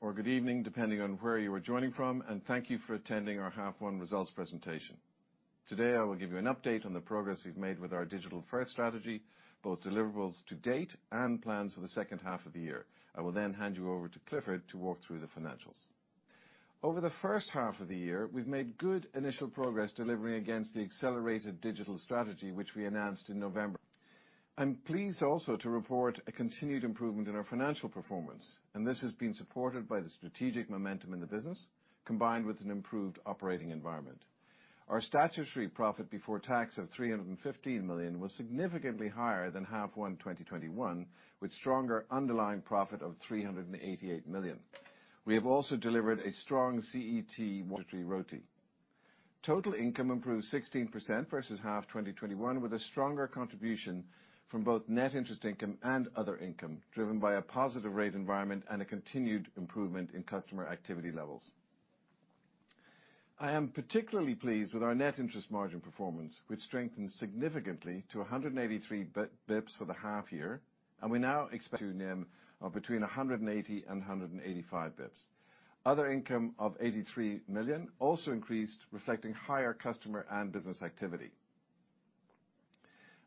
Or good evening, depending on where you are joining from, and thank you for attending our half one results presentation. Today, I will give you an update on the progress we've made with our digital first strategy, both deliverables to date and plans for the second half of the year. I will then hand you over to Clifford to walk through the financials. Over the first half of the year, we've made good initial progress delivering against the accelerated digital strategy which we announced in November. I'm pleased also to report a continued improvement in our financial performance, and this has been supported by the strategic momentum in the business, combined with an improved operating environment. Our statutory profit before tax of 315 million was significantly higher than half one 2021, with stronger underlying profit of 388 million. We have also delivered a strong CET1 regulatory ROTE. Total income improved 16% versus H1 2021, with a stronger contribution from both net interest income and other income, driven by a positive rate environment and a continued improvement in customer activity levels. I am particularly pleased with our net interest margin performance, which strengthened significantly to 183 basis points for the half year, and we now expect NIM of between 180 and 185 basis points. Other income of 83 million also increased, reflecting higher customer and business activity.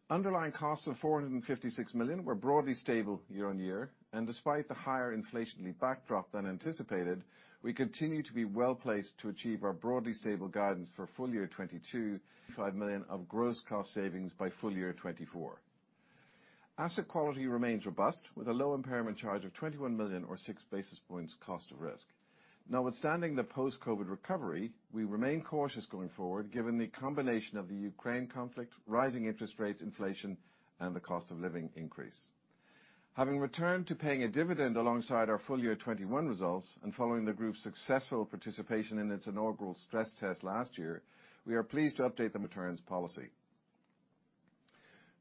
Underlying costs of 456 million were broadly stable year-on-year and despite the higher inflationary backdrop than anticipated, we continue to be well-placed to achieve our broadly stable guidance for full year 2022, 5 million of gross cost savings by full year 2024. Asset quality remains robust, with a low impairment charge of 21 million or 6 basis points cost of risk. Notwithstanding the post-COVID recovery, we remain cautious going forward given the combination of the Ukraine conflict, rising interest rates, inflation, and the cost of living increase. Having returned to paying a dividend alongside our full year 2021 results and following the group's successful participation in its inaugural stress test last year, we are pleased to update the returns policy.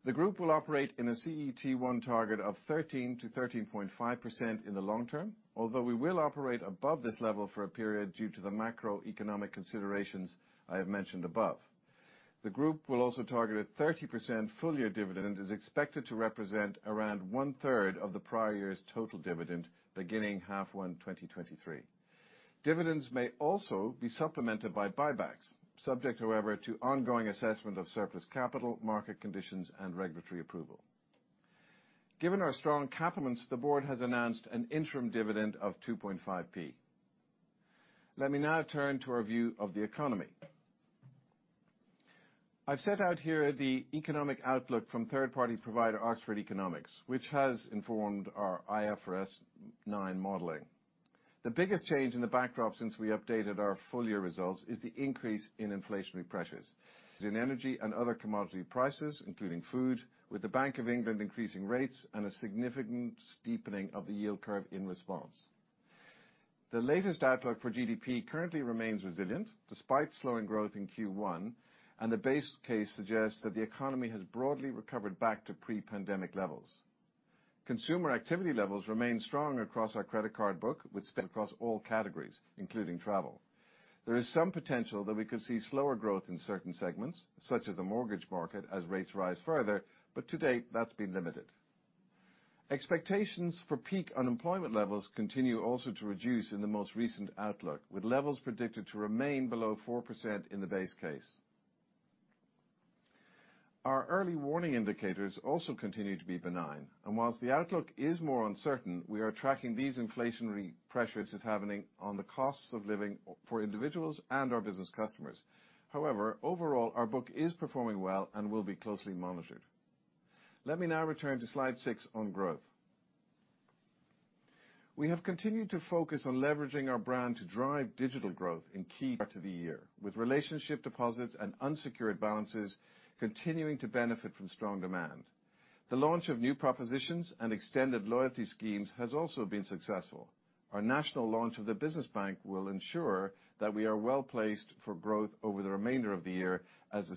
The group will operate in a CET1 target of 13%-13.5% in the long term, although we will operate above this level for a period due to the macroeconomic considerations I have mentioned above. The group will also target a 30% full year dividend, is expected to represent around one-third of the prior year's total dividend beginning H1 2023. Dividends may also be supplemented by buybacks, subject, however, to ongoing assessment of surplus capital, market conditions, and regulatory approval. Given our strong capital position, the board has announced an interim dividend of 2.5p. Let me now turn to our view of the economy. I've set out here the economic outlook from third-party provider Oxford Economics, which has informed our IFRS 9 modeling. The biggest change in the backdrop since we updated our full year results is the increase in inflationary pressures in energy and other commodity prices, including food, with the Bank of England increasing rates and a significant steepening of the yield curve in response. The latest outlook for GDP currently remains resilient despite slowing growth in Q1, and the base case suggests that the economy has broadly recovered back to pre-pandemic levels. Consumer activity levels remain strong across our credit card book with spend across all categories, including travel. There is some potential that we could see slower growth in certain segments, such as the mortgage market as rates rise further, but to date, that's been limited. Expectations for peak unemployment levels continue also to reduce in the most recent outlook, with levels predicted to remain below 4% in the base case. Our early warning indicators also continue to be benign. While the outlook is more uncertain, we are tracking these inflationary pressures as happening on the costs of living for individuals and our business customers. However, overall, our book is performing well and will be closely monitored. Let me now return to slide six on growth. We have continued to focus on leveraging our brand to drive digital growth in key parts of the year, with relationship deposits and unsecured balances continuing to benefit from strong demand. The launch of new propositions and extended loyalty schemes has also been successful. Our national launch of the business bank will ensure that we are well-placed for growth over the remainder of the year as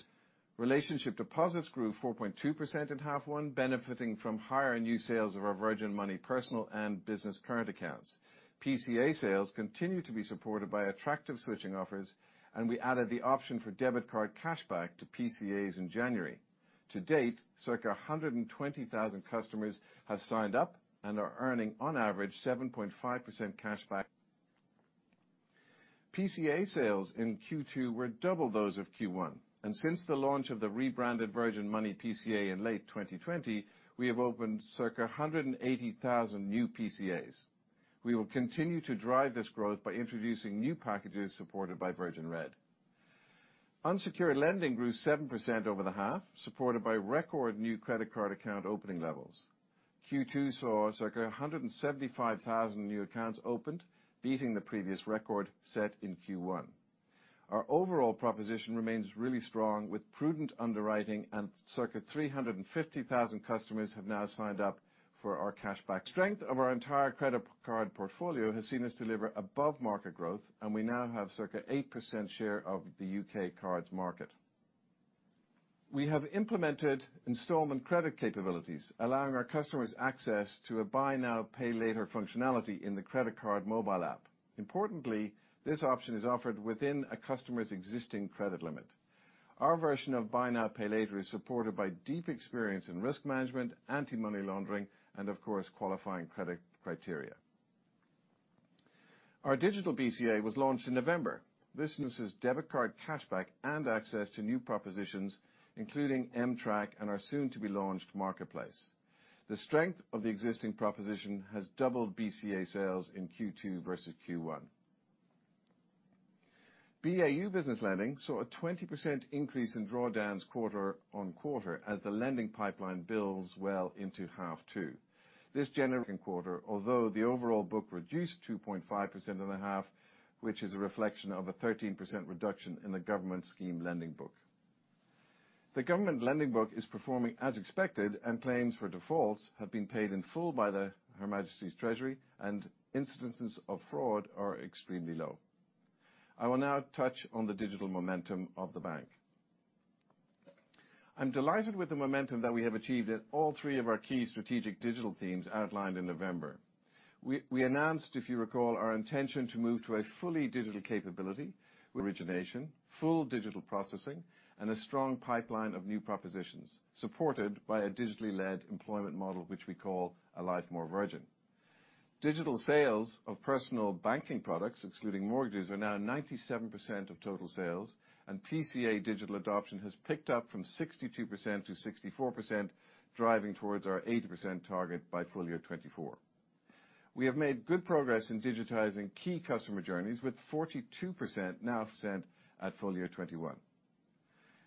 relationship deposits grew 4.2% at half one, benefiting from higher new sales of our Virgin Money personal and business current accounts. PCA sales continue to be supported by attractive switching offers, and we added the option for debit card cashback to PCAs in January. To date, circa 120,000 customers have signed up and are earning, on average, 7.5% cashback. PCA sales in Q2 were double those of Q1. Since the launch of the rebranded Virgin Money PCA in late 2020, we have opened circa 180,000 new PCAs. We will continue to drive this growth by introducing new packages supported by Virgin Red. Unsecured lending grew 7% over the half, supported by record new credit card account opening levels. Q2 saw circa 175,000 new accounts opened, beating the previous record set in Q1. Our overall proposition remains really strong with prudent underwriting and circa 350,000 customers have now signed up for our cashback. Strength of our entire credit card portfolio has seen us deliver above-market growth, and we now have circa 8% share of the UK cards market. We have implemented installment credit capabilities, allowing our customers access to a buy now, pay later functionality in the credit card mobile app. Importantly, this option is offered within a customer's existing credit limit. Our version of buy now, pay later is supported by deep experience in risk management, anti-money laundering, and of course, qualifying credit criteria. Our digital BCA was launched in November. This misses debit card cashback and access to new propositions, including M-Track and our soon to be launched marketplace. The strength of the existing proposition has doubled BCA sales in Q2 versus Q1. BAU business lending saw a 20% increase in drawdowns quarter-on-quarter as the lending pipeline builds well into H2. This generating quarter, although the overall book reduced 2.5% in the half, which is a reflection of a 13% reduction in the government scheme lending book. The government lending book is performing as expected, and claims for defaults have been paid in full by the HM Treasury, and instances of fraud are extremely low. I will now touch on the digital momentum of the bank. I'm delighted with the momentum that we have achieved at all three of our key strategic digital themes outlined in November. We announced, if you recall, our intention to move to a fully digital capability with origination, full digital processing, and a strong pipeline of new propositions, supported by a digitally led employment model, which we call A Life More Virgin. Digital sales of personal banking products excluding mortgages, are now 97% of total sales, and PCA digital adoption has picked up from 62% to 64%, driving towards our 80% target by full year 2024. We have made good progress in digitizing key customer journeys with 42% now seen at full year 2021.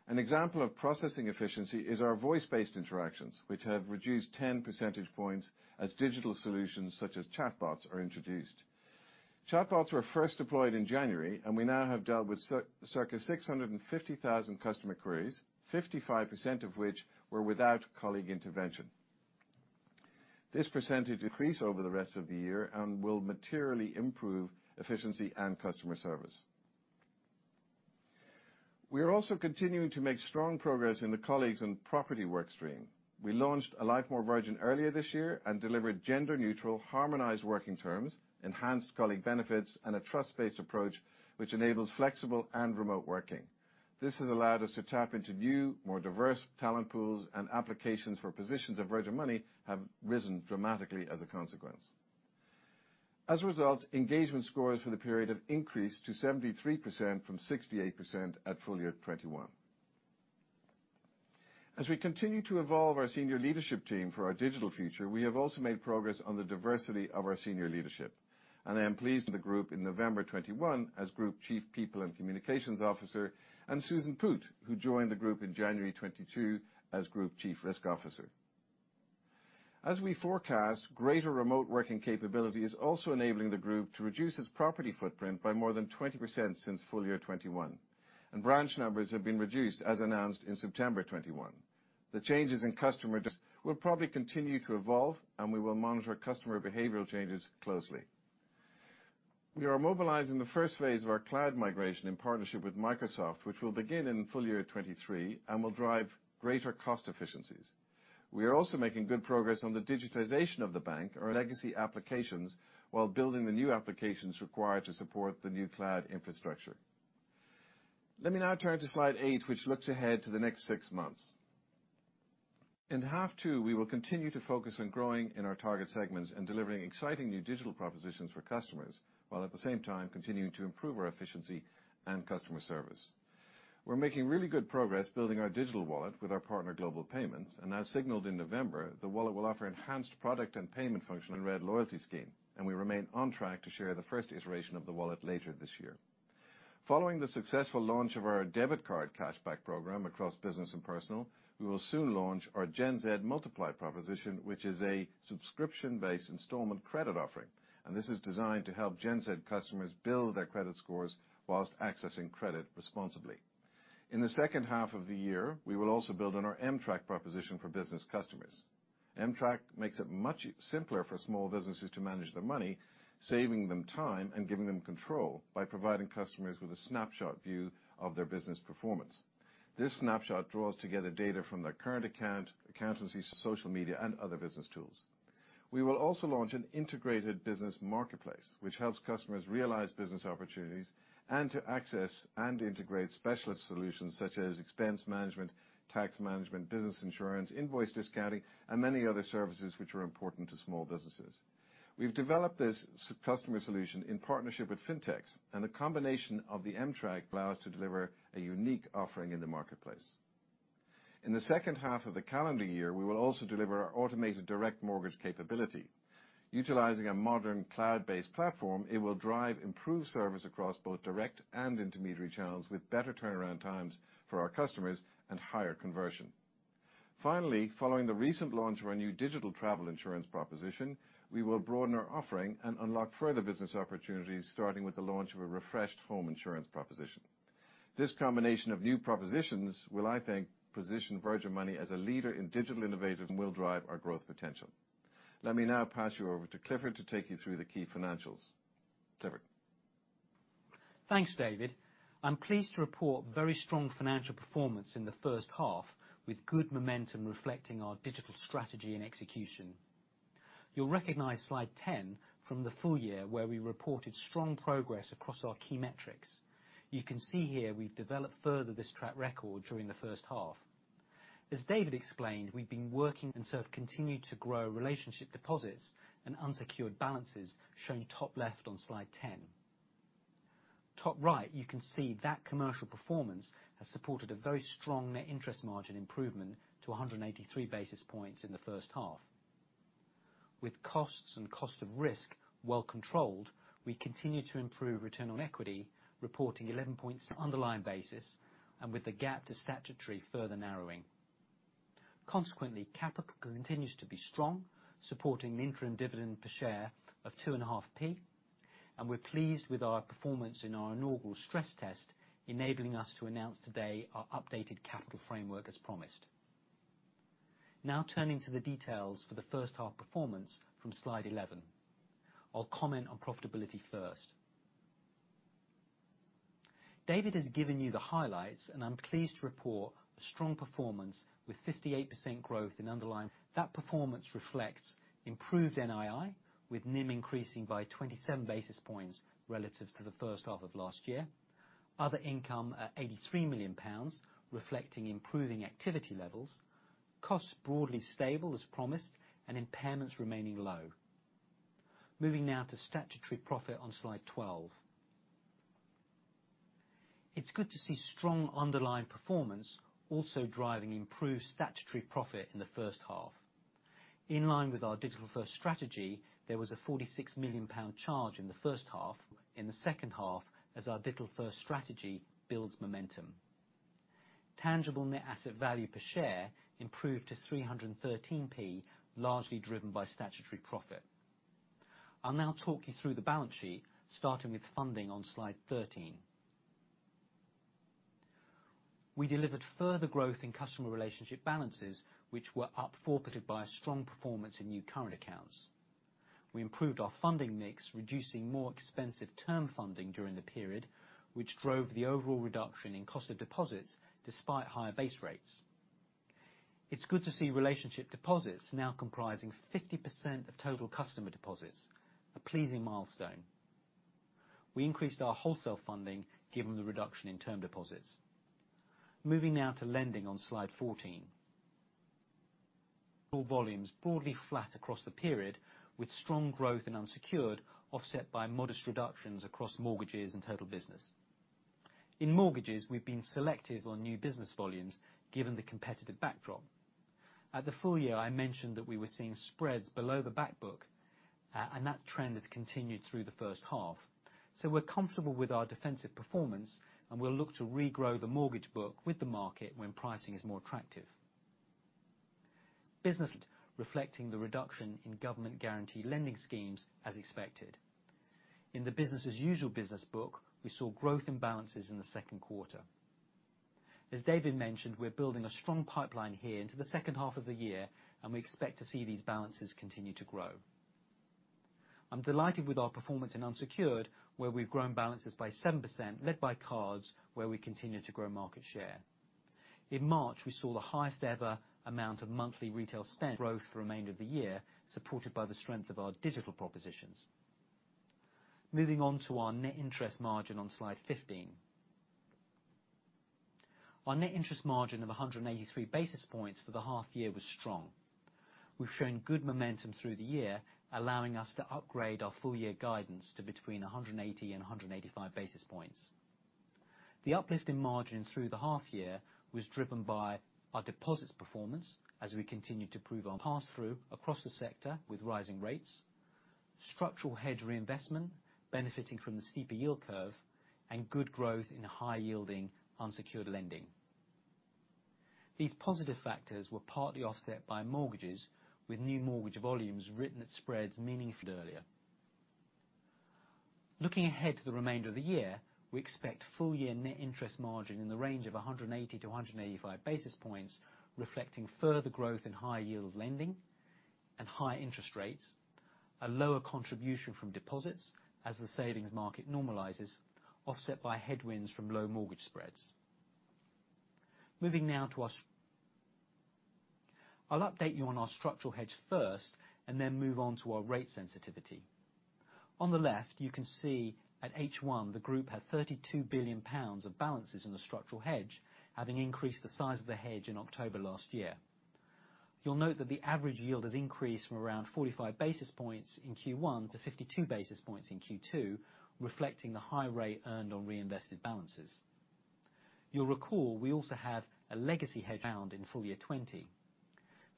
An example of processing efficiency is our voice-based interactions, which have reduced 10 percentage points as digital solutions such as chatbots are introduced. Chatbots were first deployed in January, and we now have dealt with circa 650,000 customer queries, 55% of which were without colleague intervention. This percentage will increase over the rest of the year and will materially improve efficiency and customer service. We are also continuing to make strong progress in the colleagues and property work stream. We launched A Life More Virgin earlier this year, and delivered gender-neutral, harmonized working terms, enhanced colleague benefits, and a trust-based approach which enables flexible and remote working. This has allowed us to tap into new, more diverse talent pools and applications for positions of Virgin Money have risen dramatically as a consequence. As a result, engagement scores for the period have increased to 73% from 68% at full year 2021. As we continue to evolve our senior leadership team for our digital future, we have also made progress on the diversity of our senior leadership, and I am pleased the group in November 2021 as Group Chief People and Communications Officer, and Susan Poot, who joined the group in January 2022 as Group Chief Risk Officer. As we forecast, greater remote working capability is also enabling the group to reduce its property footprint by more than 20% since full year 2021. Branch numbers have been reduced as announced in September 2021. The changes in customer trust will probably continue to evolve, and we will monitor customer behavioral changes closely. We are mobilizing the first phase of our cloud migration in partnership with Microsoft, which will begin in full year 2023 and will drive greater cost efficiencies. We are also making good progress on the digitization of the bank's legacy applications while building the new applications required to support the new cloud infrastructure. Let me now turn to slide eight, which looks ahead to the next six months. In half two, we will continue to focus on growing in our target segments and delivering exciting new digital propositions for customers while at the same time continuing to improve our efficiency and customer service. We're making really good progress building our digital wallet with our partner, Global Payments. As signaled in November, the wallet will offer enhanced product and payment function in Virgin Red, and we remain on track to share the first iteration of the wallet later this year. Following the successful launch of our debit card cashback program across business and personal, we will soon launch our Gen Z Multiply proposition, which is a subscription-based installment credit offering. This is designed to help Gen Z customers build their credit scores while accessing credit responsibly. In the second half of the year, we will also build on our M-Track proposition for business customers. M-Track makes it much simpler for small businesses to manage their money, saving them time and giving them control by providing customers with a snapshot view of their business performance. This snapshot draws together data from their current account, accountancy, social media, and other business tools. We will also launch an integrated business marketplace, which helps customers realize business opportunities and to access and integrate specialist solutions such as expense management, tax management, business insurance, invoice discounting, and many other services which are important to small businesses. We've developed this customer solution in partnership with Fintechs, and the combination of the M-Track allow us to deliver a unique offering in the marketplace. In the second half of the calendar year, we will also deliver our automated direct mortgage capability. Utilizing a modern cloud-based platform, it will drive improved service across both direct and intermediary channels with better turnaround times for our customers and higher conversion. Finally, following the recent launch of our new digital travel insurance proposition, we will broaden our offering and unlock further business opportunities, starting with the launch of a refreshed home insurance proposition. This combination of new propositions will I think, position Virgin Money as a leader in digital innovation and will drive our growth potential. Let me now pass you over to Clifford to take you through the key financials. Clifford? Thanks David. I'm pleased to report very strong financial performance in the first half with good momentum reflecting our digital strategy and execution. You'll recognize slide 10 from the full year where we reported strong progress across our key metrics. You can see here we've developed further this track record during the first half. As David explained, we've been working and sort of continued to grow relationship deposits and unsecured balances, shown top left on slide 10. Top right, you can see that commercial performance has supported a very strong net interest margin improvement to 183 basis points in the first half. With costs and cost of risk well controlled, we continue to improve return on equity, reporting 11% underlying basis, and with the gap to statutory further narrowing. Consequently, capital continues to be strong, supporting the interim dividend per share of 2.5p. We're pleased with our performance in our inaugural stress test, enabling us to announce today our updated capital framework as promised. Now turning to the details for the first half performance from slide 11. I'll comment on profitability first. David has given you the highlights, and I'm pleased to report a strong performance with 58% growth in underlying. That performance reflects improved NII, with NIM increasing by 27 basis points relative to the first half of last year. Other income at 83 million pounds, reflecting improving activity levels. Costs broadly stable as promised, and impairments remaining low. Moving now to statutory profit on slide 12. It's good to see strong underlying performance also driving improved statutory profit in the first half. In line with our digital first strategy, there was a 46 million pound charge in the first half. In the second half, as our digital first strategy builds momentum. Tangible net asset value per share improved to 313p, largely driven by statutory profit. I'll now talk you through the balance sheet, starting with funding on slide 13. We delivered further growth in customer relationship balances, which were up 40% by a strong performance in new current accounts. We improved our funding mix, reducing more expensive term funding during the period, which drove the overall reduction in cost of deposits despite higher base rates. It's good to see relationship deposits now comprising 50% of total customer deposits. A pleasing milestone. We increased our wholesale funding given the reduction in term deposits. Moving now to lending on slide 14. Total volumes broadly flat across the period, with strong growth in unsecured, offset by modest reductions across mortgages and total business. In mortgages, we've been selective on new business volumes given the competitive backdrop. At the full year, I mentioned that we were seeing spreads below the back book. That trend has continued through the first half. We're comfortable with our defensive performance, and we'll look to regrow the mortgage book with the market when pricing is more attractive. Business, reflecting the reduction in government guarantee lending schemes as expected. In the business as usual business book, we saw growth in balances in the second quarter. As David mentioned, we're building a strong pipeline here into the second half of the year, and we expect to see these balances continue to grow. I'm delighted with our performance in unsecured, where we've grown balances by 7%, led by cards where we continue to grow market share. In March, we saw the highest ever amount of monthly retail spend growth for the remainder of the year, supported by the strength of our digital propositions. Moving on to our net interest margin on slide 15. Our net interest margin of 183 basis points for the half year was strong. We've shown good momentum through the year, allowing us to upgrade our full year guidance to between 180 and 185 basis points. The uplift in margin through the half year was driven by our deposits performance as we continue to prove our pass through across the sector with rising rates. Structural hedge reinvestment benefiting from the steeper yield curve and good growth in high yielding unsecured lending. These positive factors were partly offset by mortgages with new mortgage volumes written at spreads meaningful earlier. Looking ahead to the remainder of the year, we expect full year net interest margin in the range of 180-185 basis points, reflecting further growth in high yield lending and higher interest rates. A lower contribution from deposits as the savings market normalizes, offset by headwinds from low mortgage spreads. Moving now to our. I'll update you on our structural hedge first and then move on to our rate sensitivity. On the left, you can see at H1, the group had 32 billion pounds of balances in the structural hedge, having increased the size of the hedge in October last year. You'll note that the average yield has increased from around 45 basis points in Q1 to 52 basis points in Q2, reflecting the high rate earned on reinvested balances. You'll recall we also have a legacy hedge book in full year 2020.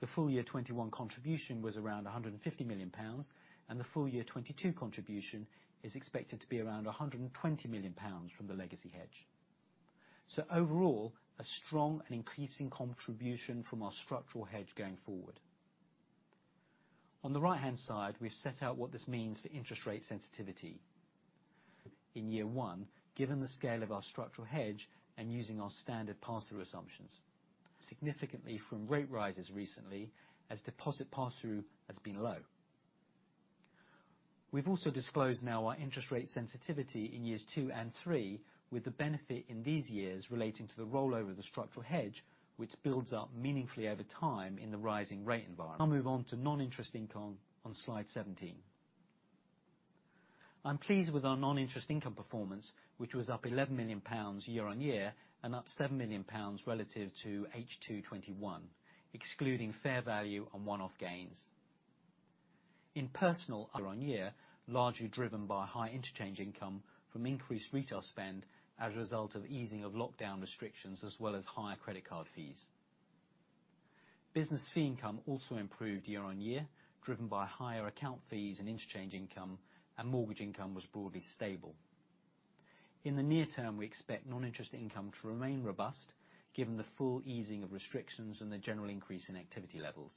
The full year 2021 contribution was around 150 million pounds, and the full year 2022 contribution is expected to be around 120 million pounds from the legacy hedge. Overall, a strong and increasing contribution from our structural hedge going forward. On the right-hand side, we've set out what this means for interest rate sensitivity. In year one, given the scale of our structural hedge and using our standard pass through assumptions, we benefit significantly from rate rises recently as deposit pass through has been low. We've also disclosed now our interest rate sensitivity in years two and three with the benefit in these years relating to the rollover of the structural hedge which builds up meaningfully over time in the rising rate environment. I'll move on to non-interest income on slide 17. I'm pleased with our non-interest income performance, which was up 11 million pounds year-over-year, and up 7 million pounds relative to H2 2021, excluding fair value on one-off gains. In personal year-over-year, largely driven by high interchange income from increased retail spend as a result of easing of lockdown restrictions, as well as higher credit card fees. Business fee income also improved year-over-year, driven by higher account fees and interchange income, and mortgage income was broadly stable. In the near term, we expect non-interest income to remain robust given the full easing of restrictions and the general increase in activity levels.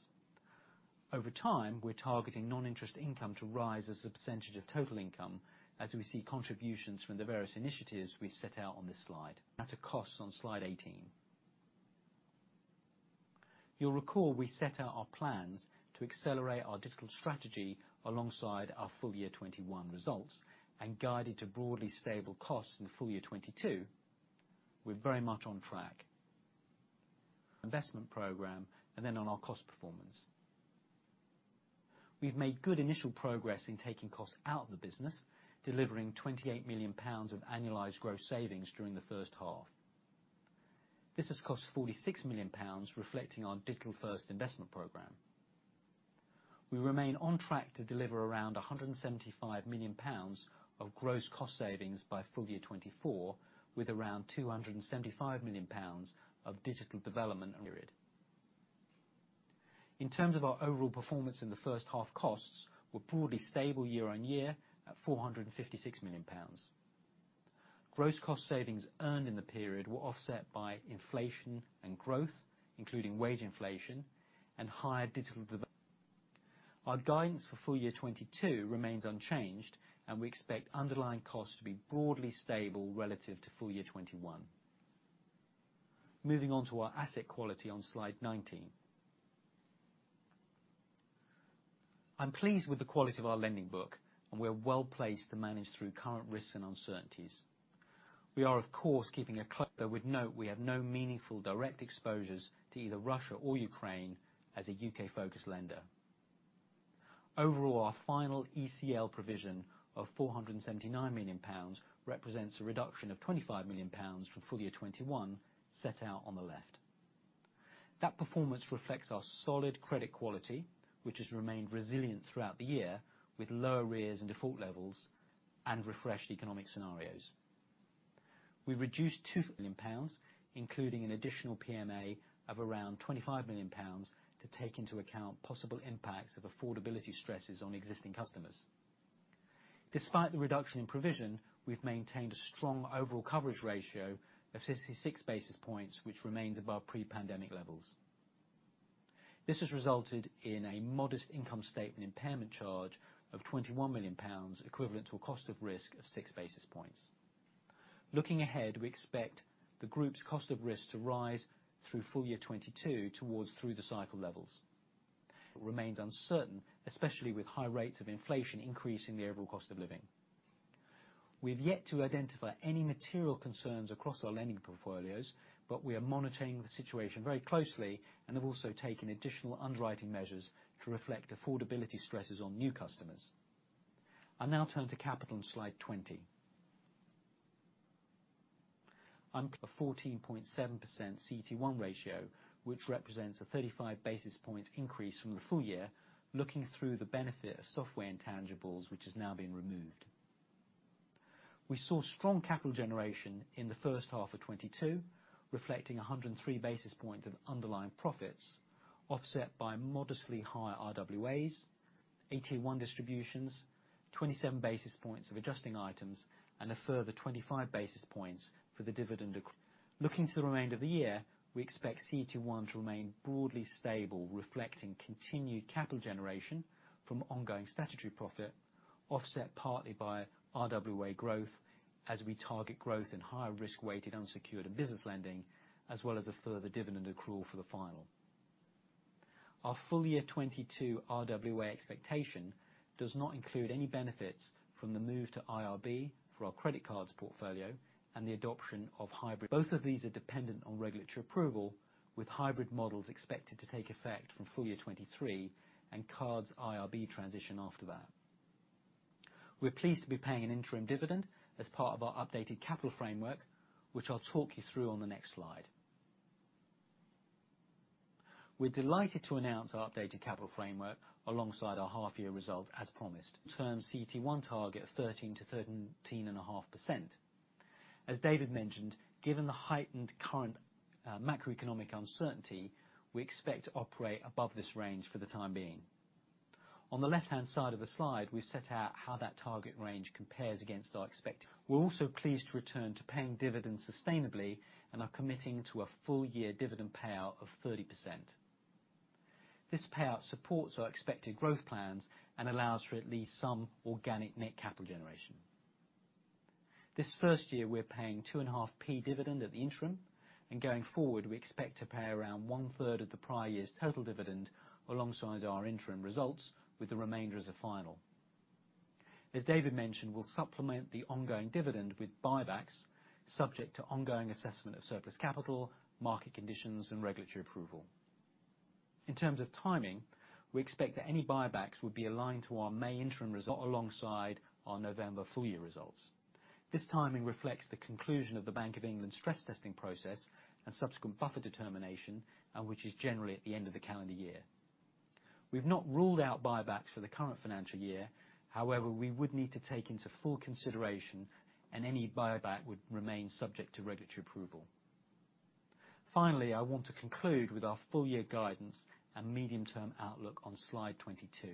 Over time, we're targeting non-interest income to rise as a percentage of total income as we see contributions from the various initiatives we've set out on this slide. Now to costs on slide 18. You'll recall we set out our plans to accelerate our digital strategy alongside our full year 2021 results and guided to broadly stable costs in full year 2022. We're very much on track. Investment program and then on our cost performance. We've made good initial progress in taking costs out of the business, delivering 28 million pounds of annualized gross savings during the first half. This has cost 46 million pounds, reflecting our digital-first investment program. We remain on track to deliver around 175 million pounds of gross cost savings by full year 2024, with around 275 million pounds of digital development spend. In terms of our overall performance in the first half, costs were broadly stable year-over-year at 456 million pounds. Gross cost savings earned in the period were offset by inflation and growth, including wage inflation and higher digital development. Our guidance for full year 2022 remains unchanged, and we expect underlying costs to be broadly stable relative to full year 2021. Moving on to our asset quality on Slide 19. I'm pleased with the quality of our lending book, and we are well placed to manage through current risks and uncertainties. We are, of course, keeping a close watch, though we have no meaningful direct exposures to either Russia or Ukraine as a UK-focused lender. Overall, our final ECL provision of 479 million pounds represents a reduction of 25 million pounds from full year 2021 set out on the left. That performance reflects our solid credit quality, which has remained resilient throughout the year, with low arrears and default levels and refreshed economic scenarios. We reduced 2 million pounds, including an additional PMA of around 25 million pounds to take into account possible impacts of affordability stresses on existing customers. Despite the reduction in provision, we've maintained a strong overall coverage ratio of 66 basis points, which remains above pre-pandemic levels. This has resulted in a modest income statement impairment charge of 21 million pounds, equivalent to a cost of risk of 6 basis points. Looking ahead, we expect the group's cost of risk to rise through full year 2022 towards through the cycle levels. Remains uncertain, especially with high rates of inflation increasing the overall cost of living. We've yet to identify any material concerns across our lending portfolios, but we are monitoring the situation very closely and have also taken additional underwriting measures to reflect affordability stresses on new customers. I'll now turn to capital on slide 20. Our 14.7% CET1 ratio, which represents a 35 basis points increase from the full year. Looking through the benefit of software intangibles, which is now being removed. We saw strong capital generation in the first half of 2022, reflecting 103 basis points of underlying profits, offset by modestly higher RWAs, AT1 distributions, 27 basis points of adjusting items, and a further 25 basis points for the dividend accrual. Looking to the remainder of the year, we expect CET1 to remain broadly stable, reflecting continued capital generation from ongoing statutory profit, offset partly by RWA growth as we target growth in higher risk-weighted unsecured business lending, as well as a further dividend accrual for the final. Our full year 2022 RWA expectation does not include any benefits from the move to IRB for our credit cards portfolio and the adoption of hybrid. Both of these are dependent on regulatory approval, with hybrid models expected to take effect from full year 2023 and cards IRB transition after that. We're pleased to be paying an interim dividend as part of our updated capital framework, which I'll talk you through on the next slide. We're delighted to announce our updated capital framework alongside our half year result as promised. Target CET1 target of 13%-13.5%. As David mentioned, given the heightened current macroeconomic uncertainty, we expect to operate above this range for the time being. On the left-hand side of the slide, we set out how that target range compares against our. We're also pleased to return to paying dividends sustainably and are committing to a full year dividend payout of 30%. This payout supports our expected growth plans and allows for at least some organic net capital generation. This first year we're paying 2.5p dividend at the interim and going forward, we expect to pay around one third of the prior year's total dividend alongside our interim results with the remainder as a final. As David mentioned, we'll supplement the ongoing dividend with buybacks subject to ongoing assessment of surplus capital, market conditions, and regulatory approval. In terms of timing, we expect that any buybacks would be aligned to our May interim result alongside our November full year results. This timing reflects the conclusion of the Bank of England stress testing process and subsequent buffer determination, and which is generally at the end of the calendar year. We've not ruled out buybacks for the current financial year. However, we would need to take into full consideration, and any buyback would remain subject to regulatory approval. Finally, I want to conclude with our full year guidance and medium-term outlook on slide 22.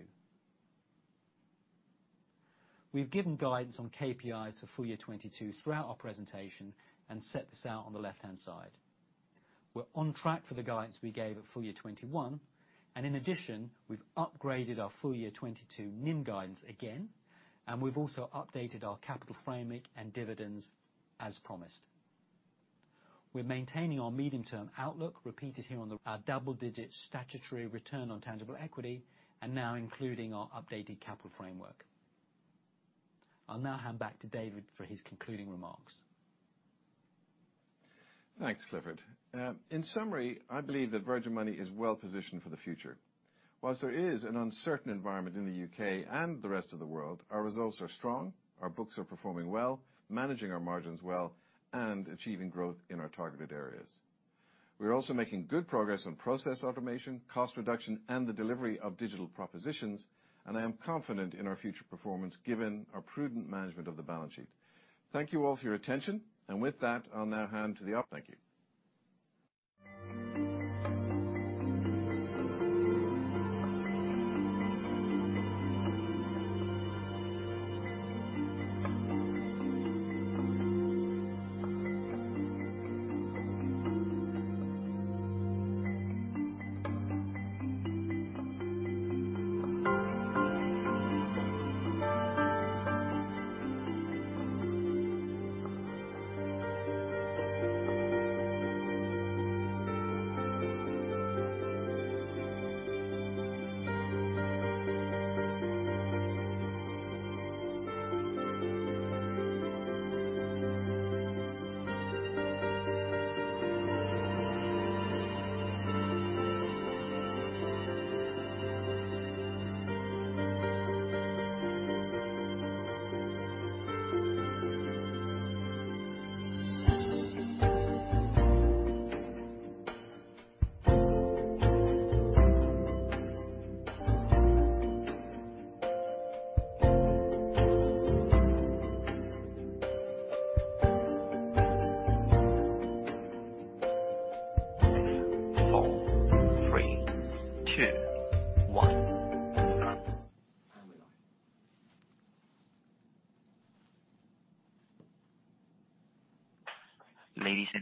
We've given guidance on KPIs for full year 2022 throughout our presentation and set this out on the left-hand side. We're on track for the guidance we gave at full year 2021, and in addition, we've upgraded our full year 2022 NIM guidance again, and we've also updated our capital framework and dividends as promised. We're maintaining our medium-term outlook, repeated here on the our double-digit statutory return on tangible equity, and now including our updated capital framework. I'll now hand back to David for his concluding remarks. Thanks Clifford. In summary, I believe that Virgin Money is well positioned for the future. While there is an uncertain environment in the UK and the rest of the world, our results are strong, our books are performing well, managing our margins well, and achieving growth in our targeted areas. We are also making good progress on process automation, cost reduction, and the delivery of digital propositions, and I am confident in our future performance given our prudent management of the balance sheet. Thank you all for your attention. With that, I'll now hand to the operator. Thank you.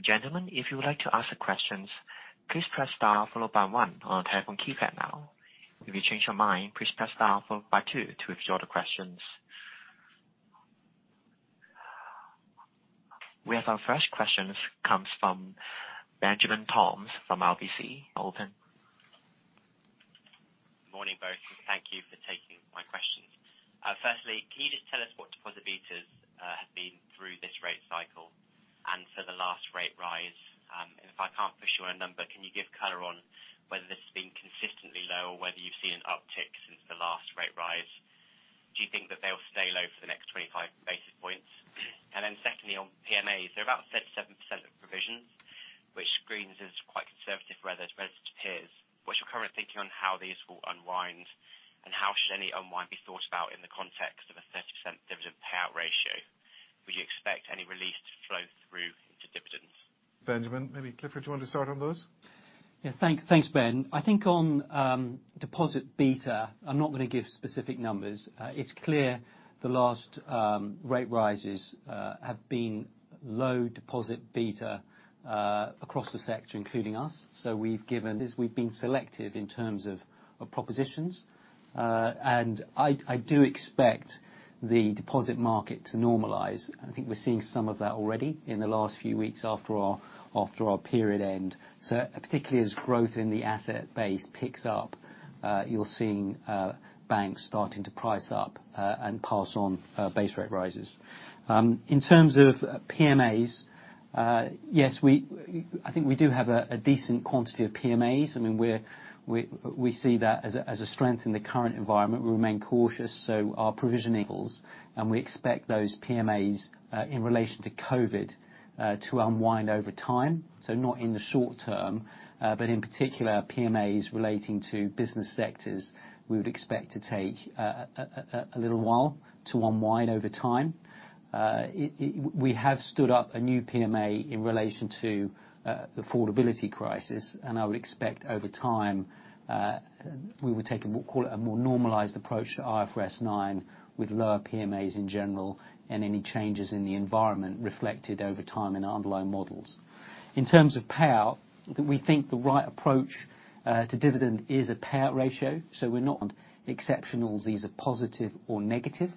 Ladies and gentlemen, if you would like to ask questions, please press star followed by one on telephone keypad now. If you change your mind, please press star followed by two to withdraw the questions. We have our first questions comes from Benjamin Toms from RBC, London. Morning both. Thank you for taking my questions. Firstly, can you just tell us what deposit betas have been through this rate cycle and for the last rate rise? If I can't push you on a number, can you give color on whether this has been consistently low or whether you've seen an uptick since the last rate rise? Do you think that they'll stay low for the next 25 basis points? Secondly, on PMAs, they're about 37% of provisions, which screens as quite conservative rather as opposed to peers. What's your current thinking on how these will unwind, and how should any unwind be thought about in the context of a 30% dividend payout ratio? Would you expect any release to flow through into dividends? Benjamin, maybe Clifford do you want to start on those? Yeah. Thanks Ben. I think on deposit beta, I'm not gonna give specific numbers. It's clear the last rate rises have been low deposit beta across the sector, including us. We've been selective in terms of propositions. I do expect the deposit market to normalize. I think we're seeing some of that already in the last few weeks after our period end. Particularly as growth in the asset base picks up, you're seeing banks starting to price up and pass on base rate rises. In terms of PMAs, yes I think we do have a decent quantity of PMAs. I mean, we see that as a strength in the current environment. We remain cautious, so our provisioning. In terms of payout, we think the right approach to dividend is a payout ratio. We're not exceptionals, these are positive or negative.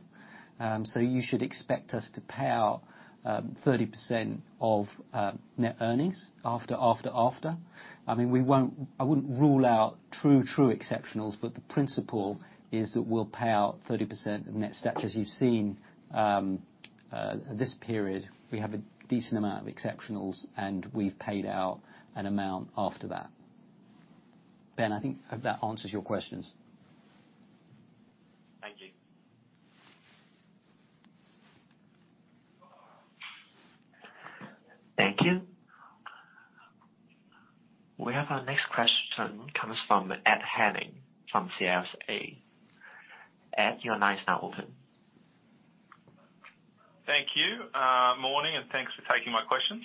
You should expect us to pay out 30% of net earnings after. I mean, I wouldn't rule out true exceptionals, but the principle is that we'll pay out 30% of net assets as you've seen. This period, we have a decent amount of exceptionals, and we've paid out an amount after that. Ben, I think that answers your questions. Thank you. Thank you. We have our next question comes from Ed Henning from CLSA. Ed, your line is now open. Thank you. Morning, and thanks for taking my questions.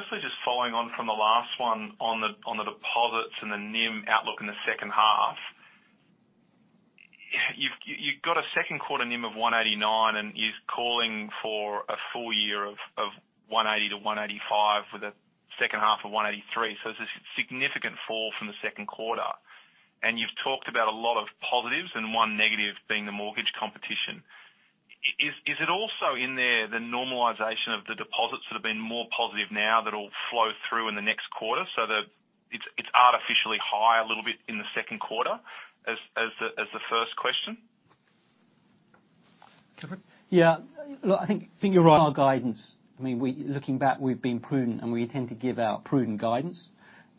Actually just following on from the last one on the deposits and the NIM outlook in the second half. You've got a second quarter NIM of 189, and you're calling for a full year of 180-185 with a second half of 183. It's a significant fall from the second quarter. You've talked about a lot of positives and one negative being the mortgage competition. Is it also in there the normalization of the deposits that have been more positive now that'll flow through in the next quarter so that it's artificially high a little bit in the second quarter as the first question? Clifford? Yeah. Look, I think you're right. Our guidance, I mean looking back, we've been prudent and we tend to give out prudent guidance.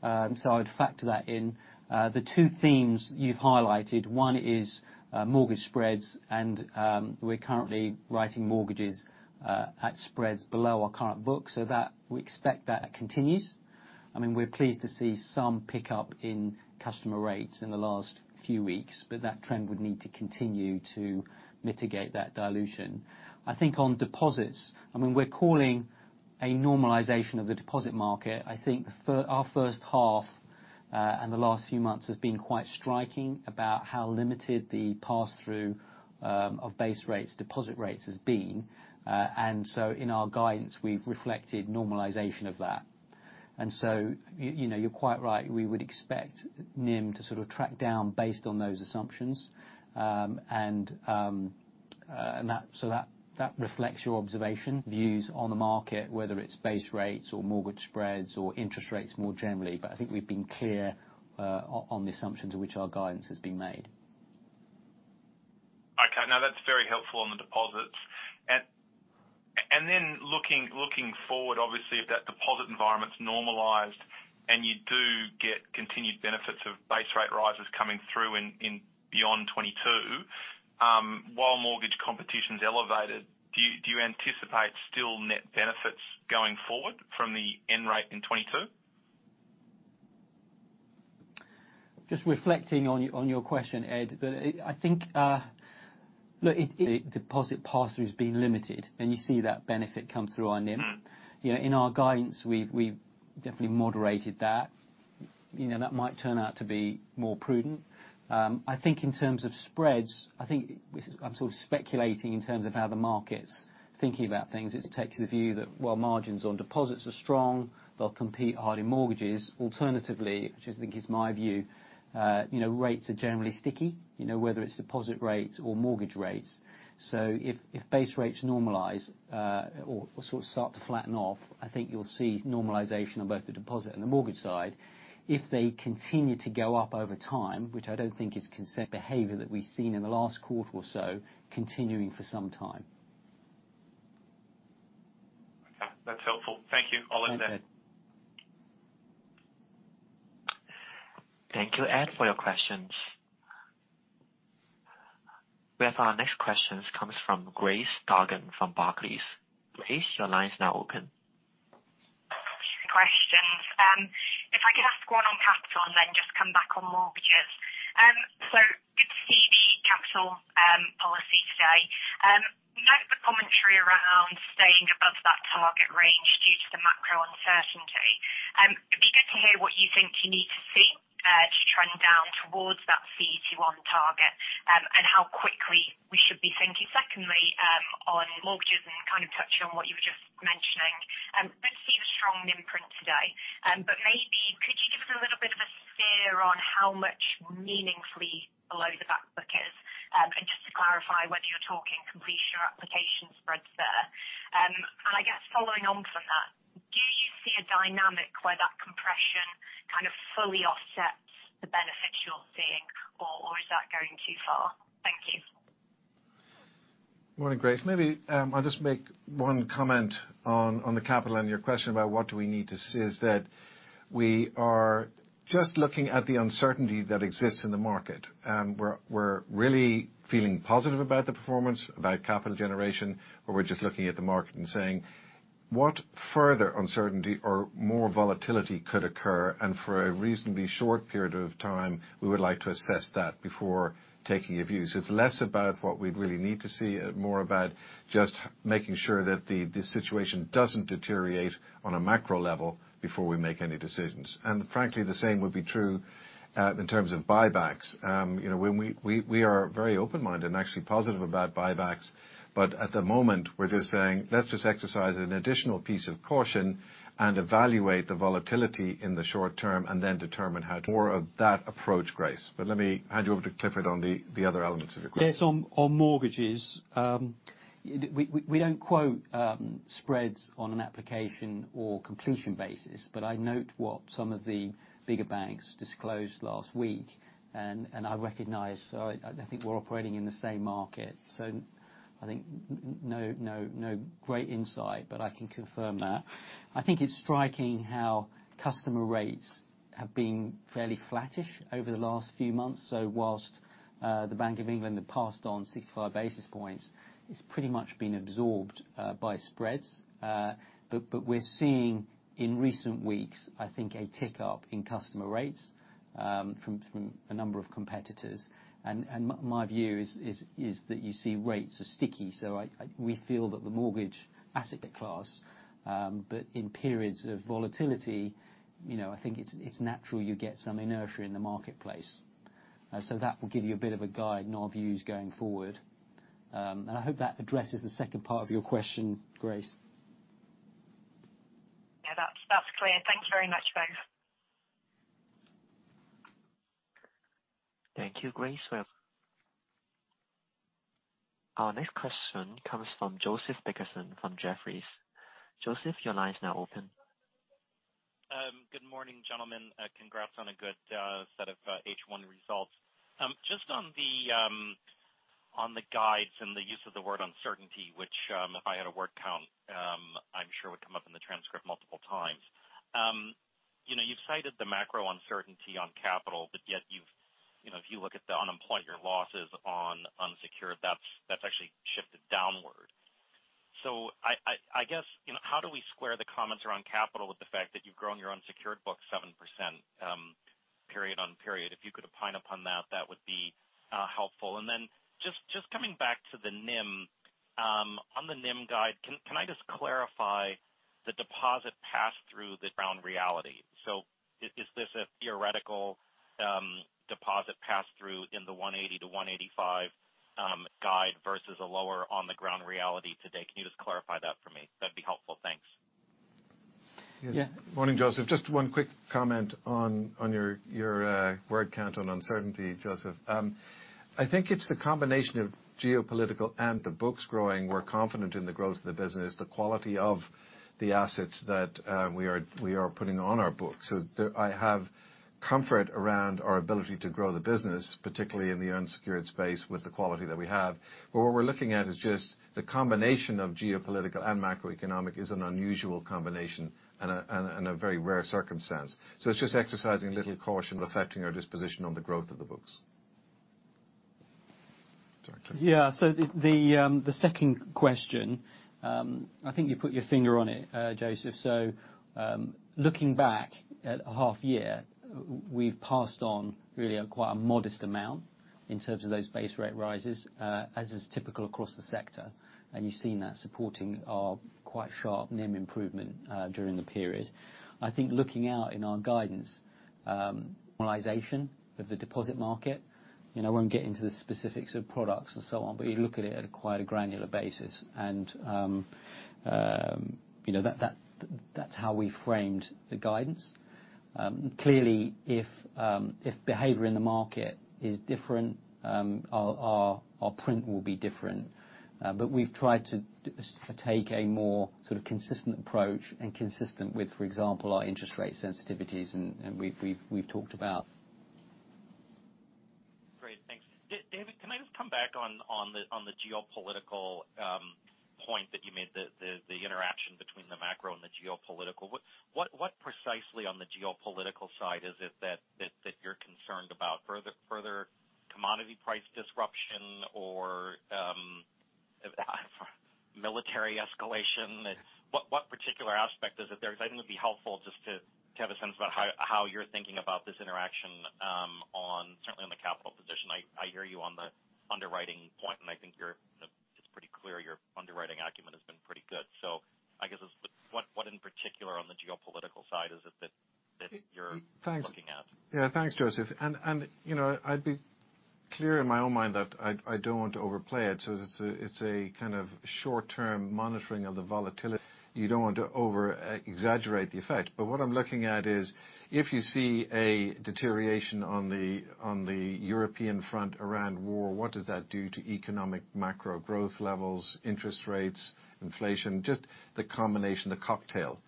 I would factor that in. The two themes you've highlighted, one is, mortgage spreads and, we're currently writing mortgages, at spreads below our current book, so that we expect that continues. I mean, we're pleased to see some pickup in customer rates in the last few weeks, but that trend would need to continue to mitigate that dilution. I think on deposits, I mean we're calling a normalization of the deposit market. I think our first half, and the last few months has been quite striking about how limited the pass-through, of base rates, deposit rates has been. In our guidance, we've reflected normalization of that. You know, you're quite right. We would expect NIM to sort of track down based on those assumptions. That reflects your observation views on the market, whether it's base rates or mortgage spreads or interest rates more generally. I think we've been clear on the assumptions of which our guidance has been made. Okay, now that's very helpful on the deposits. Looking forward obviously, if that deposit environment's normalized and you do get continued benefits of base rate rises coming through in beyond 2022, while mortgage competition is elevated, do you anticipate still net benefits going forward from the interest rate in 2022? Just reflecting on your question Ed, but I think look, deposit pass-through has been limited, and you see that benefit come through on NIM. Mm-hmm. You know, in our guidance, we've definitely moderated that. You know, that might turn out to be more prudent. I think in terms of spreads, I think I'm sort of speculating in terms of how the market's thinking about things. It takes the view that while margins on deposits are strong, they'll compete hard in mortgages. Alternatively, which I think is my view, you know, rates are generally sticky, you know, whether it's deposit rates or mortgage rates. So if base rates normalize, or sort of start to flatten off, I think you'll see normalization on both the deposit and the mortgage side. If they continue to go up over time, which I don't think is consensus behavior that we've seen in the last quarter or so, continuing for some time. Okay. That's helpful. Thank you. I'll end there. Thank you Ed, for your questions. We have our next question comes from Grace Dargan from Barclays. Grace, your line is now open. Questions? If I could ask one on capital and then just come back on mortgages. Good to see the capital policy today. Note the commentary around staying above that target range due to the macro uncertainty. It'd be good to hear what you think you need to see to trend down towards that CET1 target and how quickly we should be thinking. Secondly, on mortgages and kind of touch on what you were just mentioning, good to see the strong NIM print today. Maybe could you give us a little bit of a steer on how much meaningfully below the back book is? Just to clarify whether you're talking completion or application spreads there. I guess following on from that, do you see a dynamic where that compression kind of fully offsets the benefits you're seeing, or is that going too far? Thank you. Morning Grace. Maybe, I'll just make one comment on the capital and your question about what do we need to see is that we are just looking at the uncertainty that exists in the market. We're really feeling positive about the performance, about capital generation, but we're just looking at the market and saying, what further uncertainty or more volatility could occur? For a reasonably short period of time, we would like to assess that before taking a view. It's less about what we'd really need to see, more about just making sure that the situation doesn't deteriorate on a macro level before we make any decisions. Frankly, the same would be true in terms of buybacks. You know, when we are very open-minded and actually positive about buybacks. At the moment, we're just saying let's just exercise an additional piece of caution and evaluate the volatility in the short term and then determine more of that approach Grace. Let me hand you over to Clifford on the other elements of your question. Yes, on mortgages, we don't quote spreads on an application or completion basis, but I note what some of the bigger banks disclosed last week, and I recognize, I think we're operating in the same market. I think no great insight, but I can confirm that. I think it's striking how customer rates have been fairly flattish over the last few months. While the Bank of England had passed on 65 basis points, it's pretty much been absorbed by spreads. But we're seeing in recent weeks, I think, a tick up in customer rates from a number of competitors. My view is that you see rates are sticky. We feel that the mortgage asset class, but in periods of volatility, you know, I think it's natural you get some inertia in the marketplace. So that will give you a bit of a guide in our views going forward. I hope that addresses the second part of your question, Grace. Yeah that's clear. Thanks very much both. Thank you Grace. Our next question comes from Joseph Dickerson from Jefferies. Joseph, your line is now open. Good morning gentlemen. Congrats on a good set of H1 results. Just on the guides and the use of the word uncertainty, which, if I had a word count, I'm sure would come up in the transcript multiple times. You know, you've cited the macro uncertainty on capital, but yet you've. You know, if you look at the unemployment losses on unsecured, that's actually shifted downward. I guess, you know, how do we square the comments around capital with the fact that you've grown your unsecured book 7%, period on period? If you could opine upon that would be helpful. Just coming back to the NIM. On the NIM guide, can I just clarify the deposit pass-through the ground reality? Is this a theoretical deposit pass-through in the 180-185 guide versus a lower on the ground reality today? Can you just clarify that for me? That'd be helpful. Thanks. Yeah. Morning Joseph. Just one quick comment on your word count on uncertainty, Joseph. I think it's the combination of geopolitical and the books growing. We're confident in the growth of the business, the quality of the assets that we are putting on our books. I have comfort around our ability to grow the business, particularly in the unsecured space with the quality that we have. What we're looking at is just the combination of geopolitical and macroeconomic is an unusual combination and a very rare circumstance. It's just exercising a little caution, reflecting our disposition on the growth of the books. Director. Yeah. The second question, I think you put your finger on it, Joseph. Looking back at a half year, we've passed on really quite a modest amount in terms of those base rate rises, as is typical across the sector. You've seen that supporting our quite sharp NIM improvement during the period. I think looking out in our guidance, realization of the deposit market, you know, I won't get into the specifics of products and so on, but you look at it at a quite granular basis. You know that that's how we framed the guidance. Clearly, if behavior in the market is different, our print will be different. We've tried to take a more sort of consistent approach and consistent with, for example, our interest rate sensitivities and we've talked about. Great. Thanks. David, can I just come back on the geopolitical point that you made, the interaction between the macro and the geopolitical? What precisely on the geopolitical side is it that you're concerned about? Further commodity price disruption or military escalation? What particular aspect is it there? I think it would be helpful just to have a sense about how you're thinking about this interaction, certainly on the capital position. I hear you on the underwriting point, and I think you're it's pretty clear your underwriting acumen has been pretty good. I guess what in particular on the geopolitical side is it that you're looking at? Thanks. Yeah. Thanks Joseph. You know, I'd be clear in my own mind that I don't want to overplay it. It's a kind of short term monitoring of the volatility. You don't want to over exaggerate the effect. What I'm looking at is if you see a deterioration on the European front around war, what does that do to economic macro growth levels, interest rates, inflation, just the combination, the cocktail.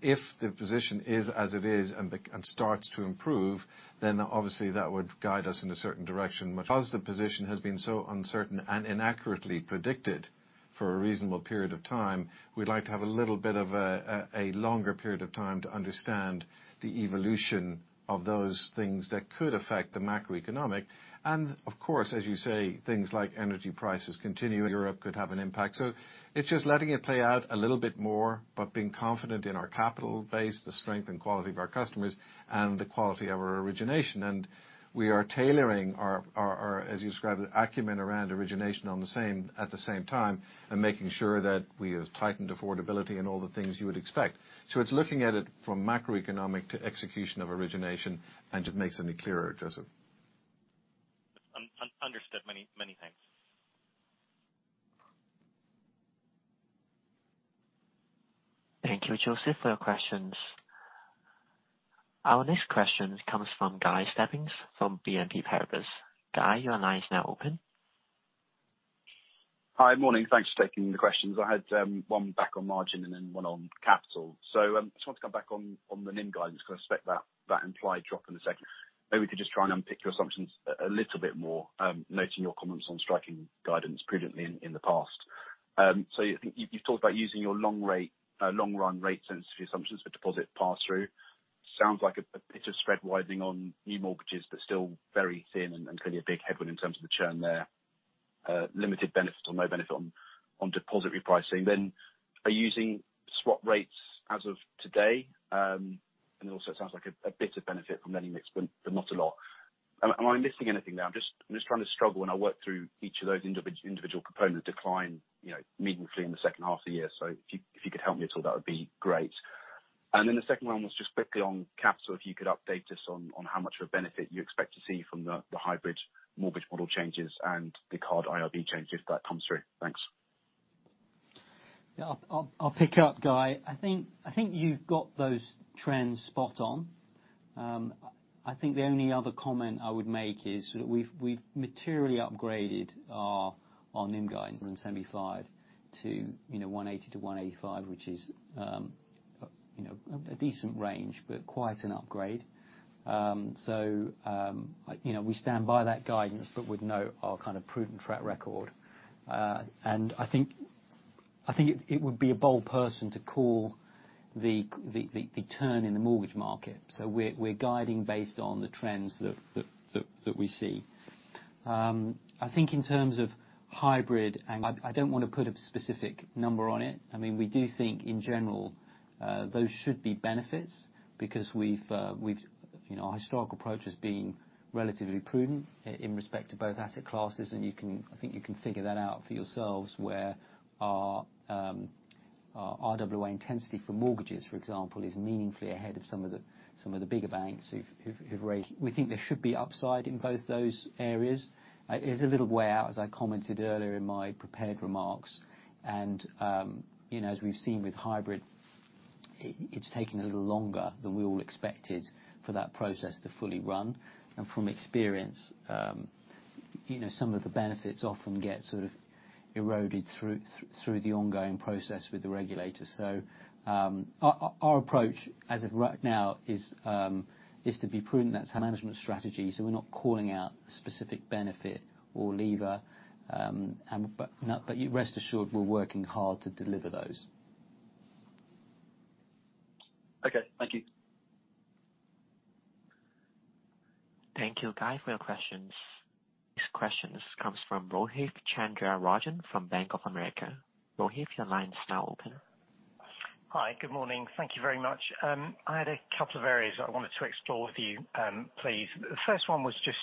If the position is as it is and starts to improve, that would guide us in a certain direction. As the position has been so uncertain and inaccurately predicted for a reasonable period of time, we'd like to have a little bit of a longer period of time to understand the evolution of those things that could affect the macroeconomic. Of course as you say, things like energy prices continuing, Europe could have an impact. It's just letting it play out a little bit more, but being confident in our capital base, the strength and quality of our customers and the quality of our origination. We are tailoring our acumen, as you described, around origination at the same time, and making sure that we have tightened affordability and all the things you would expect. It's looking at it from macroeconomic to execution of origination and just to make it any clearer, Joseph. Understood. Many, many thanks. Thank you, Joseph, for your questions. Our next question comes from Guy Stebbings from BNP Paribas. Guy, your line is now open. Hi, morning. Thanks for taking the questions. I had one back on margin and then one on capital. I just want to come back on the NIM guidance 'cause I expect that implied drop in a second. Maybe we could just try and unpick your assumptions a little bit more, noting your comments on striking guidance prudently in the past. I think you've talked about using your long run rate sensitivity assumptions for deposit pass-through. Sounds like a bit of spread widening on new mortgages but still very thin and clearly a big headwind in terms of the churn there. Limited benefit or no benefit on deposit repricing. Then are you using swap rates as of today? It also sounds like a bit of benefit from any mix, but not a lot. Am I missing anything there? I'm just trying to struggle when I work through each of those individual component decline, you know, meaningfully in the second half of the year. If you could help me at all, that would be great. Then the second one was just quickly on capital. If you could update us on how much of a benefit you expect to see from the hybrid mortgage model changes and the CARD IRB changes, if that comes through. Thanks. Yeah. I'll pick it up Guy. I think you've got those trends spot on. I think the only other comment I would make is we've materially upgraded our NIM guidance from 75 to, you know, 180-185, which is, you know, a decent range, but quite an upgrade. You know, we stand by that guidance, but with our kind of prudent track record. I think it would be a bold person to call the turn in the mortgage market. We're guiding based on the trends that we see. I think in terms of hybrid and I don't wanna put a specific number on it. I mean, we do think in general, those should be benefits because we've. You know, our historical approach has been relatively prudent in respect to both asset classes, and you can, I think you can figure that out for yourselves, where our RWA intensity for mortgages, for example, is meaningfully ahead of some of the bigger banks who've raised. We think there should be upside in both those areas. It is a little way out, as I commented earlier in my prepared remarks, and, you know, as we've seen with hybrid, it's taking a little longer than we all expected for that process to fully run. From experience, you know, some of the benefits often get sort of eroded through the ongoing process with the regulators. Our approach as of right now is to be prudent. That's our management strategy, so we're not calling out specific benefit or lever. But you rest assured we're working hard to deliver those. Okay. Thank you. Thank you Guy, for your questions. Next question comes from Rohith Chandra-Rajan from Bank of America. Rohit, your line's now open. Hi, good morning. Thank you very much. I had a couple of areas that I wanted to explore with you, please. The first one was just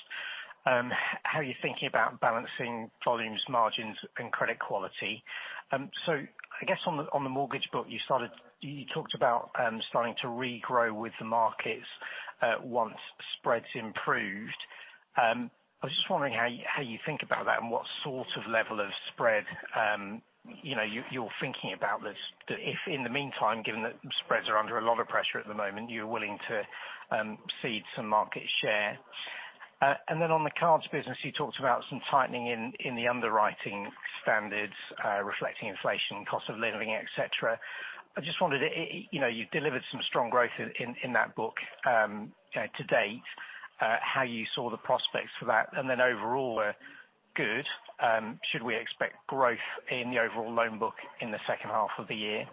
how you're thinking about balancing volumes, margins, and credit quality. I guess on the mortgage book you talked about starting to regrow with the markets once spreads improved. I was just wondering how you think about that and what sort of level of spread you know you're thinking about this. If in the meantime, given that spreads are under a lot of pressure at the moment, you're willing to cede some market share. On the cards business, you talked about some tightening in the underwriting standards reflecting inflation, cost of living, et cetera. I just wondered, you delivered some strong growth in that book to date, how you saw the prospects for that, and then overall were good. Should we expect growth in the overall loan book in the second half of the year?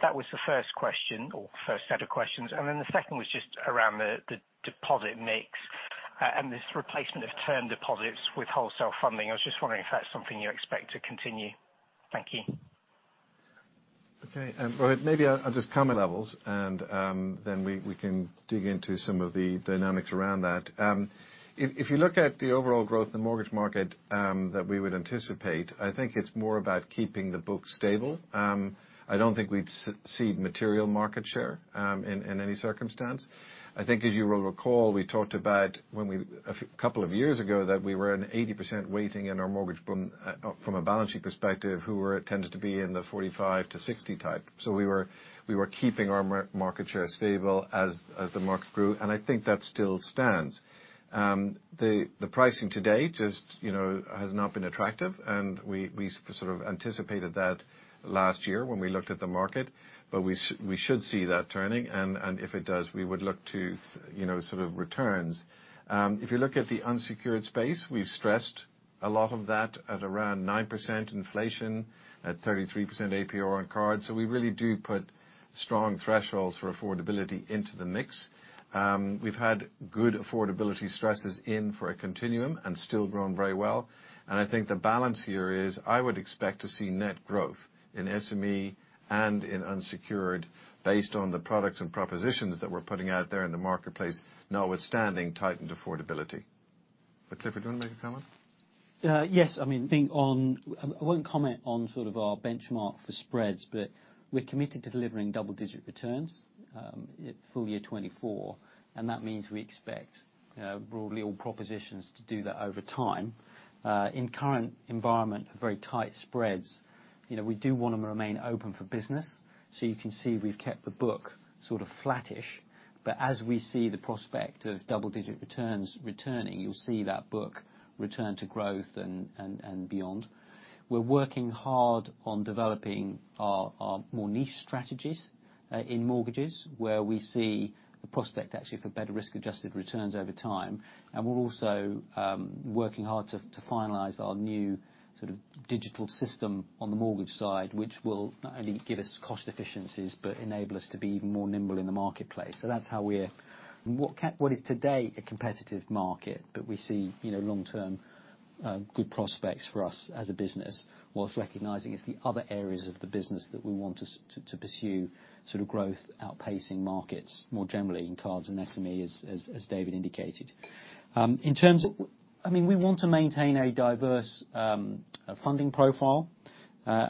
That was the first question or first set of questions. Then the second was just around the deposit mix, and this replacement of term deposits with wholesale funding. I was just wondering if that's something you expect to continue. Thank you. Okay. Rohith, maybe I'll just comment levels, and then we can dig into some of the dynamics around that. If you look at the overall growth in the mortgage market that we would anticipate, I think it's more about keeping the book stable. I don't think we'd cede material market share in any circumstance. I think as you will recall, we talked about a couple of years ago that we were in 80% weighting in our mortgage book from a balancing perspective, we were tending to be in the 45-60 type. We were keeping our market share stable as the market grew, and I think that still stands. The pricing today just, you know, has not been attractive, and we sort of anticipated that last year when we looked at the market. We should see that turning, and if it does, we would look to, you know, sort of returns. If you look at the unsecured space, we've stressed a lot of that at around 9% inflation, at 33% APR on cards. So we really do put strong thresholds for affordability into the mix. We've had good affordability stresses in for a continuum and still grown very well. I think the balance here is I would expect to see net growth in SME and in unsecured based on the products and propositions that we're putting out there in the marketplace, notwithstanding tightened affordability. Clifford, do you wanna make a comment? Yes. I mean, I think I won't comment on sort of our benchmark for spreads, but we're committed to delivering double-digit returns full year 2024, and that means we expect, you know, broadly all propositions to do that over time. In current environment of very tight spreads, you know, we do wanna remain open for business. You can see we've kept the book sort of flattish. As we see the prospect of double-digit returns returning, you'll see that book return to growth and beyond. We're working hard on developing our more niche strategies in mortgages, where we see the prospect actually for better risk-adjusted returns over time. We're also working hard to finalize our new sort of digital system on the mortgage side, which will not only give us cost efficiencies, but enable us to be even more nimble in the marketplace. That's how we're in what is today a competitive market, but we see, you know, long-term good prospects for us as a business, while recognizing it's the other areas of the business that we want us to pursue sort of growth outpacing markets more generally in cards and SME, as David indicated. In terms of, I mean, we want to maintain a diverse funding profile.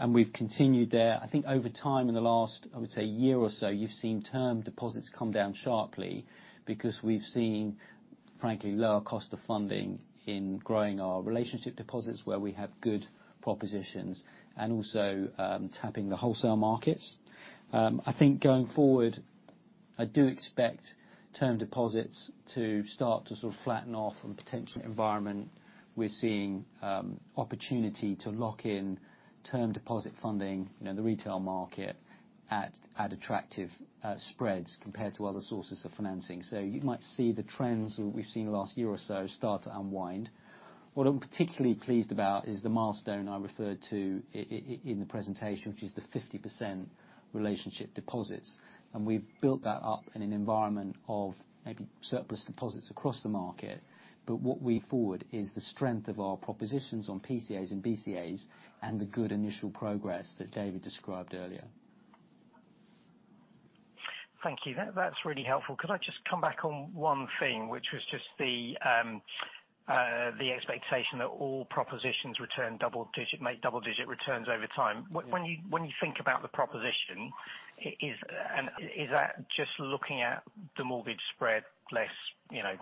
We've continued there. I think over time in the last, I would say year or so, you've seen term deposits come down sharply because we've seen, frankly, lower cost of funding in growing our relationship deposits where we have good propositions, and also, tapping the wholesale markets. I think going forward, I do expect term deposits to start to sort of flatten off and potentially environment. We're seeing opportunity to lock in term deposit funding, you know, the retail market at attractive spreads compared to other sources of financing. So you might see the trends that we've seen the last year or so start to unwind. What I'm particularly pleased about is the milestone I referred to in the presentation, which is the 50% relationship deposits. We've built that up in an environment of maybe surplus deposits across the market. What we put forward is the strength of our propositions on PCAs and BCAs and the good initial progress that David described earlier. Thank you. That's really helpful. Could I just come back on one thing, which was just the expectation that all propositions make double-digit returns over time. Yeah. When you think about the proposition, is that just looking at the mortgage spread, less, you know,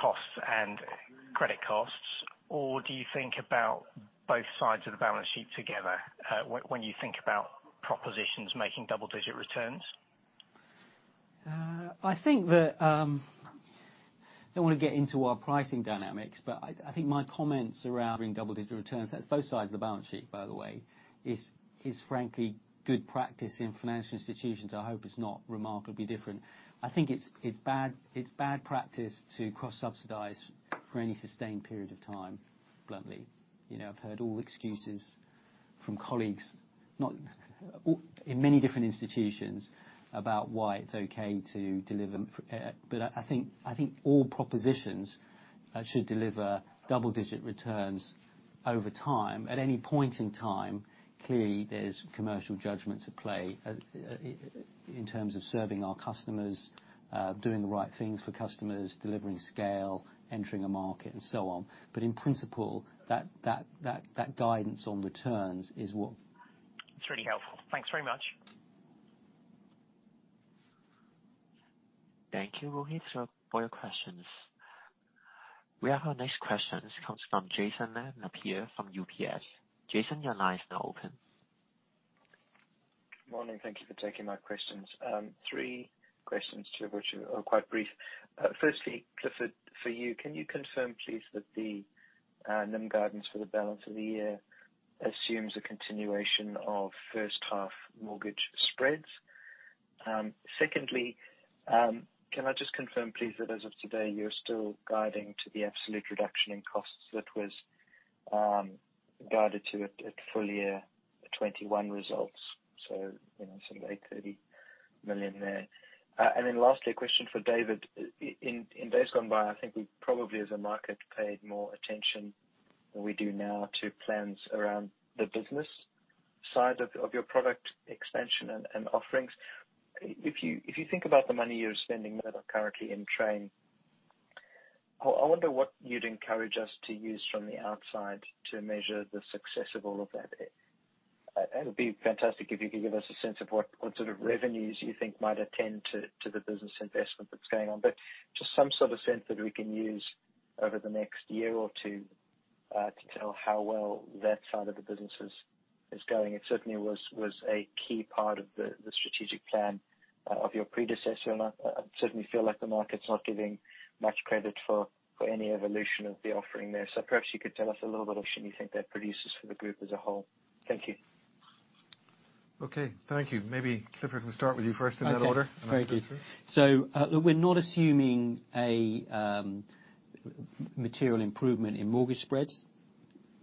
costs and credit costs? Or do you think about both sides of the balance sheet together, when you think about propositions making double-digit returns? I think, don't want to get into our pricing dynamics, but I think my comments around bringing double-digit returns, that's both sides of the balance sheet, by the way, is frankly good practice in financial institutions. I hope it's not remarkably different. I think it's bad practice to cross-subsidize for any sustained period of time, bluntly. You know, I've heard all the excuses from colleagues in many different institutions about why it's okay, but I think all propositions should deliver double-digit returns over time. At any point in time, clearly, there's commercial judgments at play in terms of serving our customers, doing the right things for customers, delivering scale, entering a market, and so on. In principle, that guidance on returns is. It's really helpful. Thanks very much. Thank you, Rohith, for your questions. We have our next question. This comes from Jason Napier from UBS. Jason, your line is now open. Morning. Thank you for taking my questions. Three questions, which are quite brief. Firstly, Clifford, for you, can you confirm, please, that the Numis guidance for the balance of the year assumes a continuation of first half mortgage spreads? Secondly, can I just confirm, please, that as of today, you're still guiding to the absolute reduction in costs that was guided to at full year 2021 results? You know, sort of 830 million there. And then lastly, a question for David. In days gone by, I think we probably as a market paid more attention than we do now to plans around the business side of your product expansion and offerings. If you think about the money you're spending that are currently in train, I wonder what you'd encourage us to use from the outside to measure the success of all of that. It'll be fantastic if you could give us a sense of what sort of revenues you think might accrue to the business investment that's going on. Just some sort of sense that we can use over the next year or two to tell how well that side of the business is going. It certainly was a key part of the strategic plan of your predecessor. I certainly feel like the market's not giving much credit for any evolution of the offering there. Perhaps you could tell us a little bit of what you think that produces for the group as a whole. Thank you. Okay. Thank you. Maybe Clifford can start with you first in that order. Okay. Very good. Clifford. We're not assuming a material improvement in mortgage spreads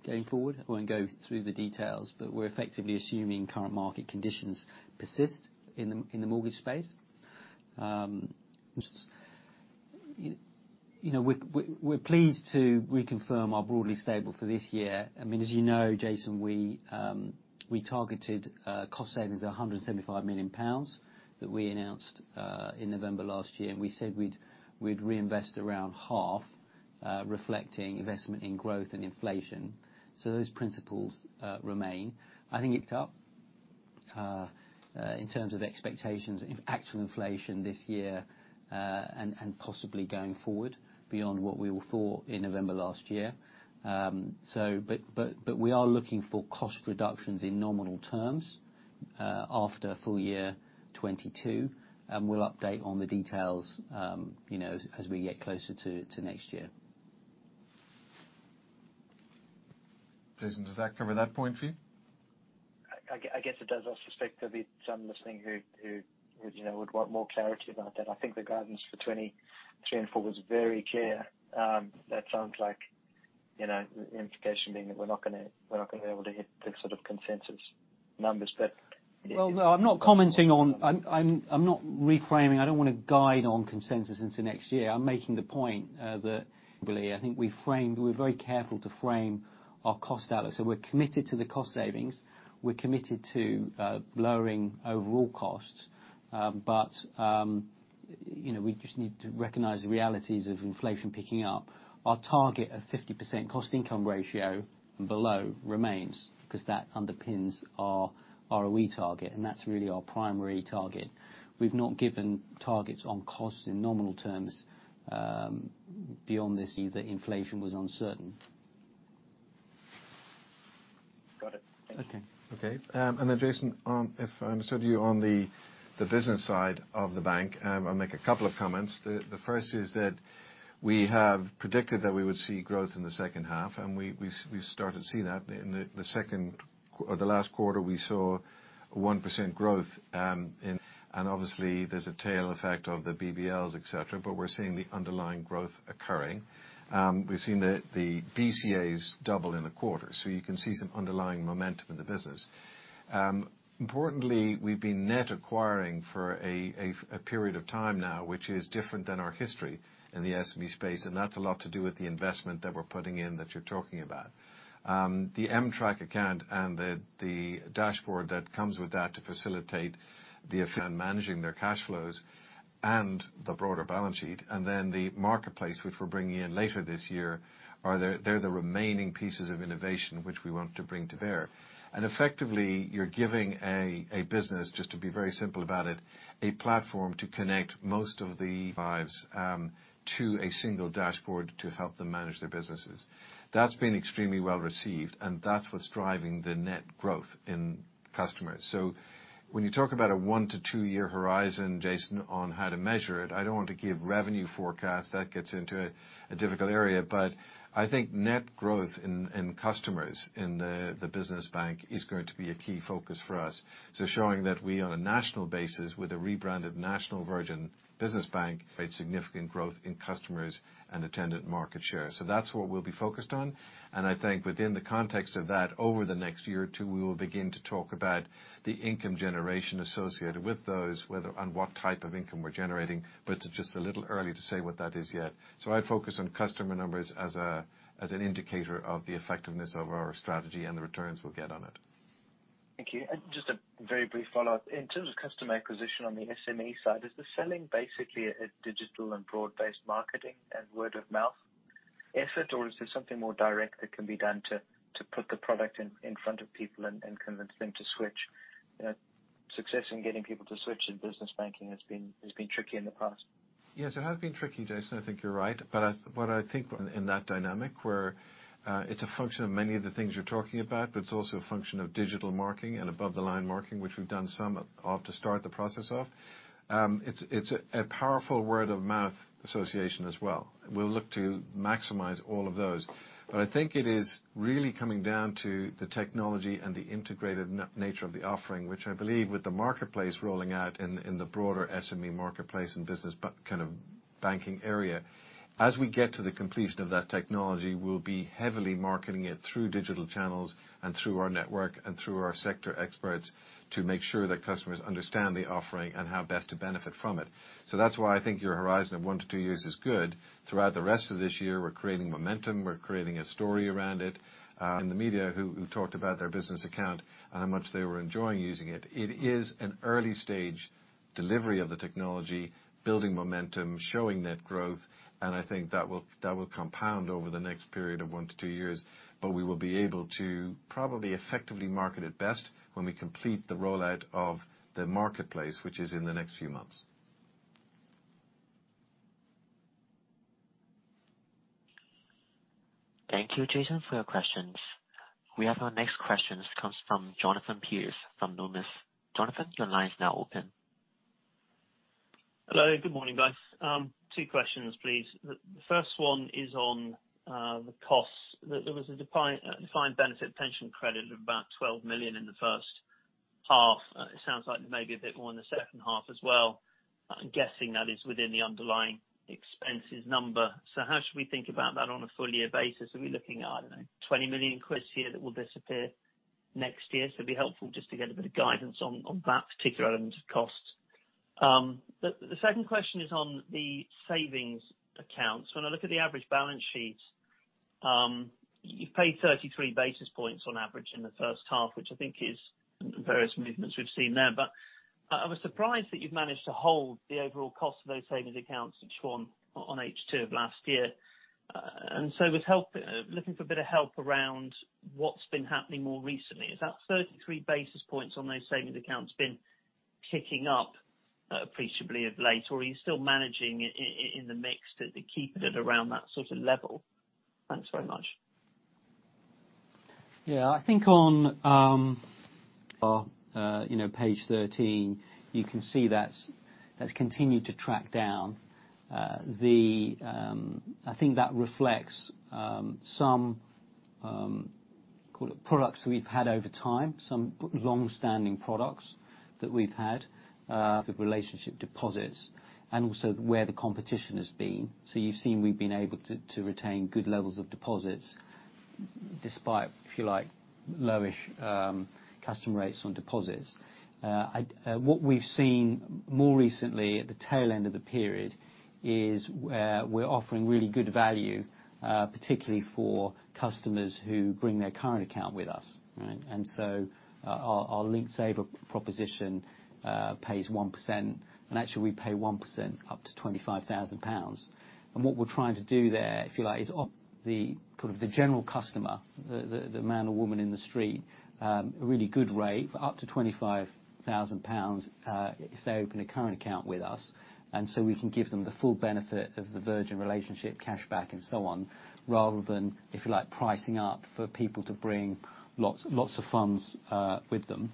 going forward. I won't go through the details, but we're effectively assuming current market conditions persist in the mortgage space. We're pleased to reconfirm our broadly stable for this year. I mean as you know Jason, we targeted cost savings of 175 million pounds that we announced in November last year. We said we'd reinvest around half, reflecting investment in growth and inflation. Those principles remain. I think it's up in terms of expectations of actual inflation this year and possibly going forward beyond what we all thought in November last year. We are looking for cost reductions in nominal terms after full year 2022, and we'll update on the details, you know, as we get closer to next year. Jason, does that cover that point for you? I guess it does. I suspect there'll be some listening who, you know, would want more clarity about that. I think the guidance for 2023 and 2024 was very clear. That sounds like, you know, the implication being that we're not gonna be able to hit the sort of consensus numbers, but. I'm not reframing. I don't wanna guide on consensus into next year. I'm making the point that really I think we framed, we're very careful to frame our cost outlook. We're committed to the cost savings. We're committed to lowering overall costs. You know, we just need to recognize the realities of inflation picking up. Our target of 50% cost income ratio and below remains, 'cause that underpins our ROE target, and that's really our primary target. We've not given targets on costs in nominal terms beyond this year that inflation was uncertain. Got it. Thank you. Okay. Okay. Jason, if I understood you on the business side of the bank, I'll make a couple of comments. The first is that we have predicted that we would see growth in the second half, and we've started to see that in the second or the last quarter. We saw 1% growth. Obviously there's a tail effect of the BBLs, et cetera, but we're seeing the underlying growth occurring. We've seen the BCAs double in a quarter, so you can see some underlying momentum in the business. Importantly, we've been net acquiring for a period of time now, which is different than our history in the SME space, and that's a lot to do with the investment that you're talking about. The M-Track account and the dashboard that comes with that to facilitate managing their cash flows and the broader balance sheet, and then the marketplace, which we're bringing in later this year, they're the remaining pieces of innovation which we want to bring to bear. Effectively, you're giving a business, just to be very simple about it, a platform to connect most of the files to a single dashboard to help them manage their businesses. That's been extremely well received, and that's what's driving the net growth in customers. When you talk about a 1-2 year horizon, Jason, on how to measure it, I don't want to give revenue forecasts. That gets into a difficult area. I think net growth in customers in the business bank is going to be a key focus for us. Showing that we on a national basis with a rebranded national version business bank made significant growth in customers and attendant market share. That's what we'll be focused on. I think within the context of that, over the next year or two, we will begin to talk about the income generation associated with those, whether on what type of income we're generating, but it's just a little early to say what that is yet. I'd focus on customer numbers as a, as an indicator of the effectiveness of our strategy and the returns we'll get on it. Thank you. Just a very brief follow-up. In terms of customer acquisition on the SME side, is the selling basically a digital and broad-based marketing and word of mouth effort, or is there something more direct that can be done to put the product in front of people and convince them to switch? You know, success in getting people to switch in business banking has been tricky in the past. Yes. It has been tricky, Jason. I think you're right. I think in that dynamic where it's a function of many of the things you're talking about, but it's also a function of digital marketing and above the line marketing, which we've done some of to start the process off. It's a powerful word of mouth association as well. We'll look to maximize all of those. I think it is really coming down to the technology and the integrated nature of the offering, which I believe with the marketplace rolling out in the broader SME marketplace and business banking kind of banking area. As we get to the completion of that technology, we'll be heavily marketing it through digital channels and through our network and through our sector experts to make sure that customers understand the offering and how best to benefit from it. That's why I think your horizon of 1-2 years is good. Throughout the rest of this year, we're creating momentum. We're creating a story around it. In the media who talked about their business account and how much they were enjoying using it. It is an early stage delivery of the technology, building momentum, showing net growth, and I think that will compound over the next period of one-two years. We will be able to probably effectively market it best when we complete the rollout of the marketplace, which is in the next few months. Thank you Jason, for your questions. We have our next question. This comes from Jonathan Pierce from Numis. Jonathan, your line is now open. Hello, good morning guys. Two questions, please. The first one is on the costs. There was a defined benefit pension credit of about 12 million in the first half. It sounds like maybe a bit more in the second half as well. I'm guessing that is within the underlying expenses number. How should we think about that on a full year basis? Are we looking at, I don't know, 20 million quid quids here that will disappear next year? It'd be helpful just to get a bit of guidance on that particular element of costs. The second question is on the savings accounts. When I look at the average balance sheets, you've paid 33 basis points on average in the first half, which I think is various movements we've seen there. I was surprised that you've managed to hold the overall cost of those savings accounts which were on H2 of last year. Looking for a bit of help around what's been happening more recently. Has that 33 basis points on those savings accounts been ticking up appreciably of late? Or are you still managing in the mix to keep it at around that sort of level? Thanks very much. Yeah. I think on, you know, page 13, you can see that's continued to track down. I think that reflects some call it products we've had over time, some longstanding products that we've had, the relationship deposits and also where the competition has been. You've seen we've been able to retain good levels of deposits despite, if you like, low-ish customer rates on deposits. What we've seen more recently at the tail end of the period is where we're offering really good value, particularly for customers who bring their current account with us, right? Our Linked Saver proposition pays 1%. Actually we pay 1% up to 25,000 pounds. What we're trying to do there, if you like, is offer to the general customer, the man or woman in the street, a really good rate up to 25,000 pounds, if they open a current account with us, and so we can give them the full benefit of the Virgin relationship cashback and so on, rather than, if you like, pricing up for people to bring lots of funds with them.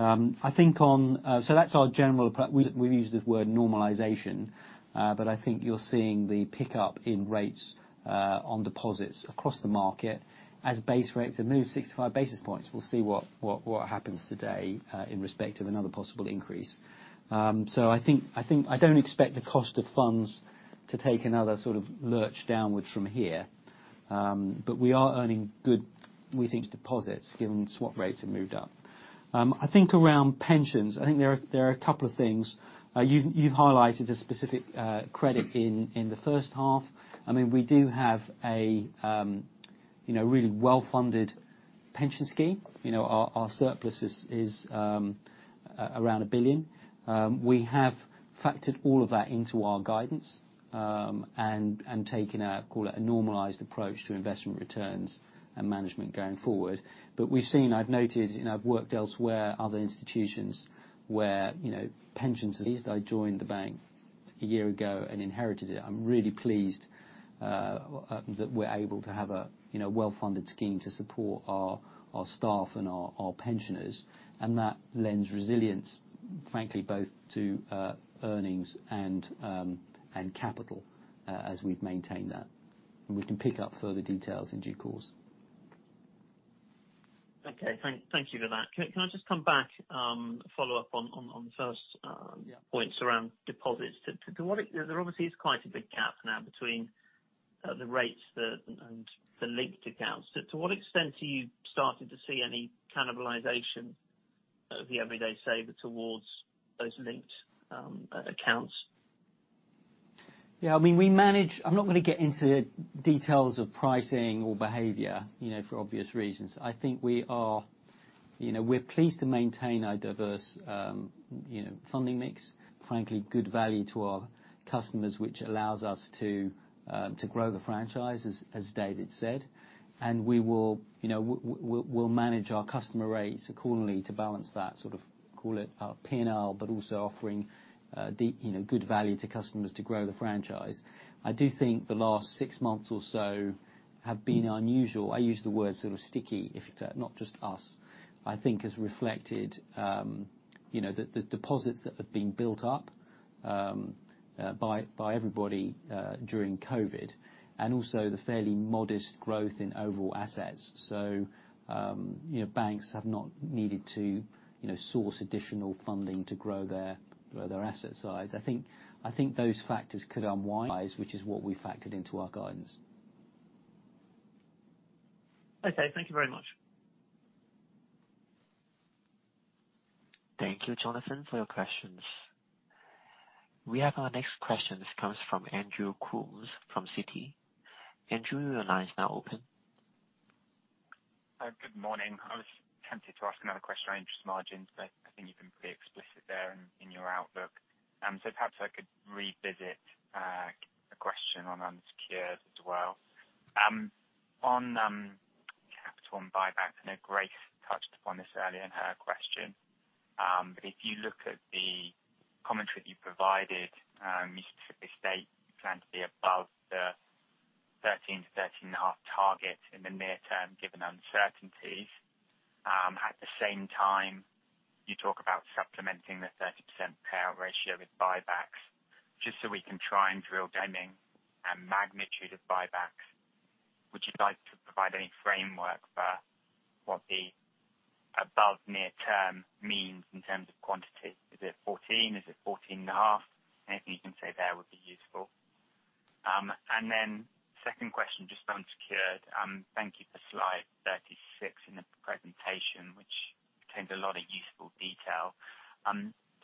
I think so that's our general approach. We've used the word normalization, but I think you're seeing the pickup in rates on deposits across the market as base rates have moved 65 basis points. We'll see what happens today in respect of another possible increase. I think. I don't expect the cost of funds to take another sort of lurch downwards from here. We are earning good, we think, deposits given swap rates have moved up. I think around pensions, there are a couple of things. You've highlighted a specific credit in the first half. I mean, we do have a you know, really well-funded pension scheme. You know, our surplus is around 1 billion. We have factored all of that into our guidance and taken call it a normalized approach to investment returns and management going forward. We've seen, I've noted, and I've worked elsewhere, other institutions where, you know, pensions I joined the bank a year ago and inherited it. I'm really pleased that we're able to have a, you know, well-funded scheme to support our staff and our pensioners, and that lends resilience, frankly, both to earnings and capital as we've maintained that. We can pick up further details in due course. Okay. Thank you for that. Can I just come back follow up on the first. Yeah. Basis points around deposits? There obviously is quite a big gap now between the rates and the linked accounts. To what extent are you starting to see any cannibalization of the Everyday Saver towards those linked accounts? Yeah, I mean, we manage. I'm not gonna get into the details of pricing or behavior, you know, for obvious reasons. I think. You know, we're pleased to maintain our diverse, you know, funding mix, frankly good value to our customers, which allows us to grow the franchise, as David said. We will, you know, we'll manage our customer rates accordingly to balance that sort of, call it our P&L, but also offering the, you know, good value to customers to grow the franchise. I do think the last six months or so have been unusual. I use the word sort of sticky, if it's not just us. I think as reflected, you know, the deposits that have been built up by everybody during COVID, and also the fairly modest growth in overall assets. You know, banks have not needed to, you know, source additional funding to grow their asset size. I think those factors could unwind, which is what we factored into our guidance. Okay, thank you very much. Thank you Jonathan, for your questions. We have our next question. This comes from Andrew Coombs from Citi. Andrew, your line is now open. Good morning. I was tempted to ask another question on interest margins, but I think you've been pretty explicit there in your outlook. Perhaps I could revisit a question on unsecured as well. On capital and buybacks, I know Grace touched upon this earlier in her question. If you look at the commentary you provided, you state you plan to be above the 13%-13.5% target in the near term, given uncertainties. At the same time, you talk about supplementing the 30% payout ratio with buybacks. Just so we can try and drill timing and magnitude of buybacks, would you like to provide any framework for what the above near term means in terms of quantity? Is it 14%? Is it 14.5%? Anything you can say there would be useful. Second question just on secured. Thank you for slide 36 in the presentation, which contains a lot of useful detail.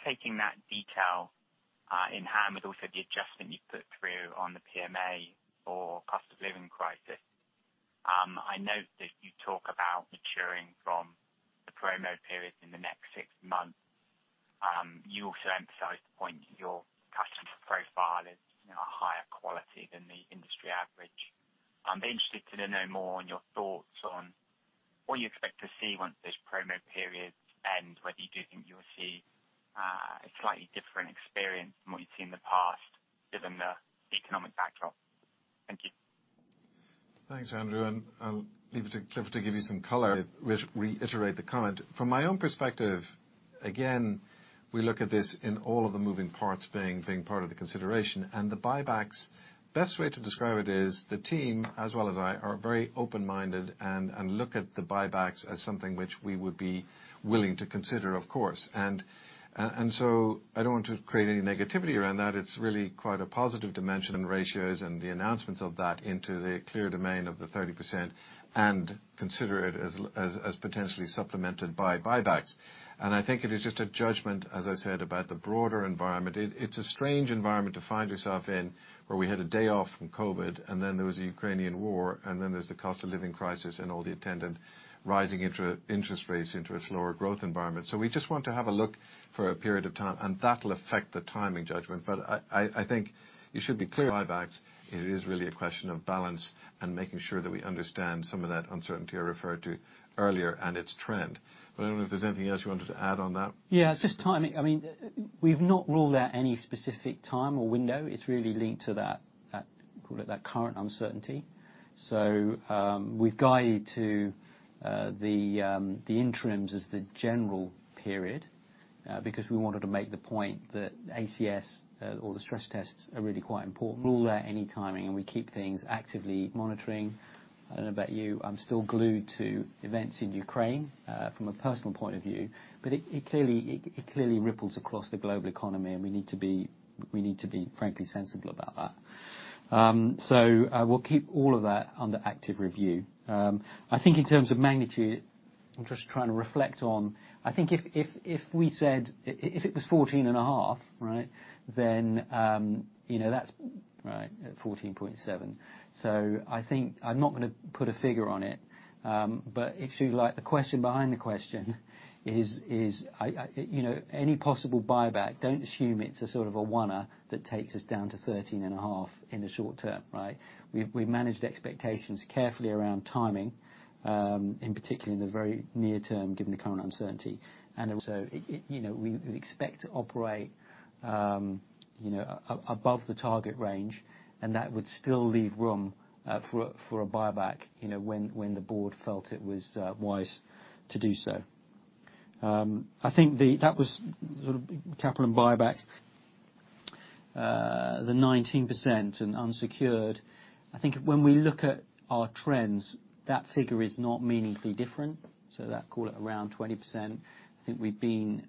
Taking that detail in hand with also the adjustment you put through on the PMA for cost of living crisis, I note that you talk about maturing from the promo period in the next six months. You also emphasized the point your customer profile is, you know, higher quality than the industry average. I'd be interested to know more on your thoughts on what you expect to see once this promo period ends. Whether you do think you will see a slightly different experience from what you've seen in the past given the economic backdrop. Thank you. Thanks Andrew. I'll leave it to Clifford to give you some color, reiterate the comment. From my own perspective, again, we look at this in all of the moving parts being part of the consideration. The buybacks, best way to describe it is the team as well as I are very open-minded and look at the buybacks as something which we would be willing to consider, of course. I don't want to create any negativity around that. It's really quite a positive dimension in ratios and the announcements of that into the clear domain of the 30%, and consider it as potentially supplemented by buybacks. I think it is just a judgment, as I said, about the broader environment. It's a strange environment to find yourself in, where we had a day off from COVID, and then there was the Ukrainian war, and then there's the cost of living crisis and all the attendant rising interest rates into a slower growth environment. We just want to have a look for a period of time, and that'll affect the timing judgment. I think you should be clear, buybacks, it is really a question of balance and making sure that we understand some of that uncertainty I referred to earlier and its trend. I don't know if there's anything else you wanted to add on that. Yeah, it's just timing. I mean, we've not ruled out any specific time or window. It's really linked to that current uncertainty. We've guided to the interims as the general period because we wanted to make the point that ACS or the stress tests are really quite important. Rule out any timing, and we keep things actively monitoring. I don't know about you, I'm still glued to events in Ukraine from a personal point of view, but it clearly ripples across the global economy, and we need to be frankly sensible about that. We'll keep all of that under active review. I think in terms of magnitude, I'm just trying to reflect on. I think if we said it was 14.5%, right? You know, that's right at 14.7%. I think I'm not gonna put a figure on it. But if you like, the question behind the question is, you know, any possible buyback. Don't assume it's a sort of a one-off that takes us down to 13.5% in the short term, right? We've managed expectations carefully around timing, in particular in the very near term, given the current uncertainty. You know, we expect to operate above the target range, and that would still leave room for a buyback, you know, when the board felt it was wise to do so. I think that was sort of capital and buybacks. The 19% and unsecured. I think when we look at our trends, that figure is not meaningfully different. That, call it around 20%. I think we've been,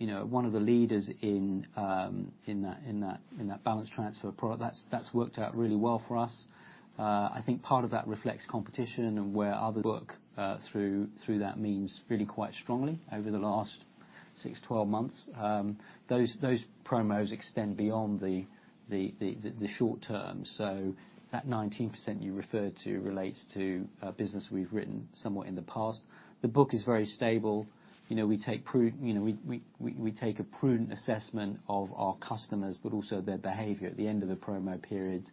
you know, one of the leaders in that balance transfer product. That's worked out really well for us. I think part of that reflects competition and where other work through that means really quite strongly over the last 6, 12 months. Those promos extend beyond the short term. That 19% you referred to relates to a business we've written somewhat in the past. The book is very stable. You know, we take a prudent assessment of our customers, but also their behavior at the end of the promo period.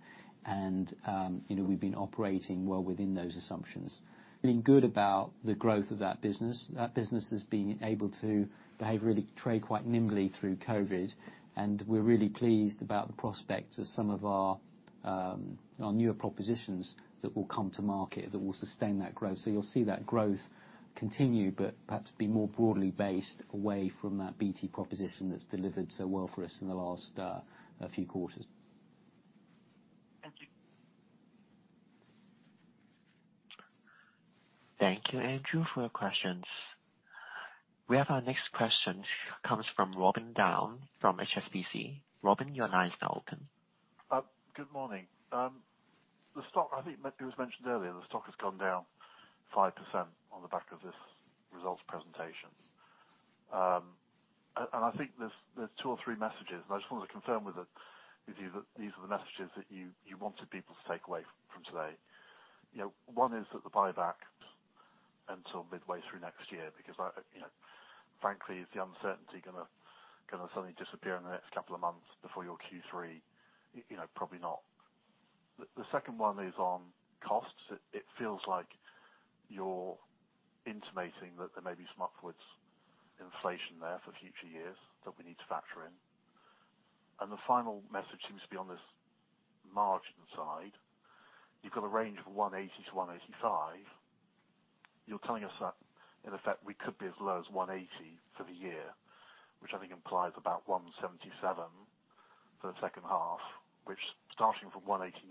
you know, we've been operating well within those assumptions. Been good about the growth of that business. That business has been able to behave, really trade quite nimbly through COVID. We're really pleased about the prospects of some of our our newer propositions that will come to market that will sustain that growth. You'll see that growth continue, but perhaps be more broadly based away from that BT proposition that's delivered so well for us in the last few quarters. Thank you. Thank you Andrew, for your questions. We have our next question comes from Robin Down from HSBC. Robin, your line is now open. Good morning. The stock, I think it was mentioned earlier, the stock has gone down 5% on the back of this results presentation. I think there's two or three messages, and I just wanted to confirm with you that these are the messages that you wanted people to take away from today. You know, one is that the buyback until midway through next year, because, you know, frankly, is the uncertainty gonna suddenly disappear in the next couple of months before your Q3? You know, probably not. The second one is on costs. It feels like you're intimating that there may be some upwards inflation there for future years that we need to factor in. The final message seems to be on this margin side. You've got a range of 180-185. You're telling us that in effect, we could be as low as 180 for the year, which I think implies about 177 for the second half, which starting from 189,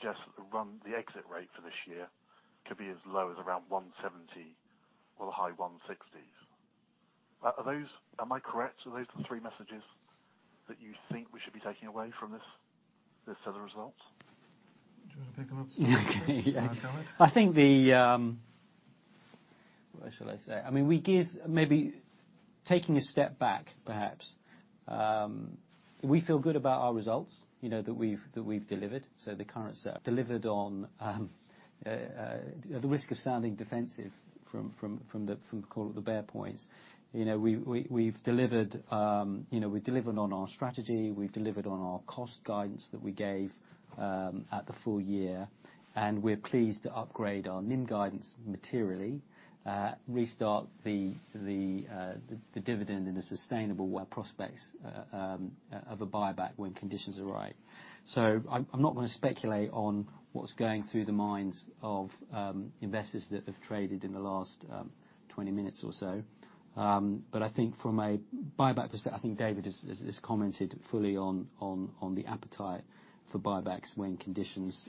just run the exit rate for this year could be as low as around 170 or the high 160s. Are those? Am I correct? Are those the three messages that you think we should be taking away from this set of results? Do you want to pick them up? What shall I say? I mean, we give maybe taking a step back, perhaps. We feel good about our results, you know, that we've delivered. The current set delivered on at the risk of sounding defensive from call it the bear points. You know, we've delivered, you know, we've delivered on our strategy, we've delivered on our cost guidance that we gave at the full year. We're pleased to upgrade our NIM guidance materially, restart the dividend in a sustainable way, prospects of a buyback when conditions are right. I'm not gonna speculate on what's going through the minds of investors that have traded in the last 20 minutes or so. I think from a buyback perspective, I think David has commented fully on the appetite for buybacks when conditions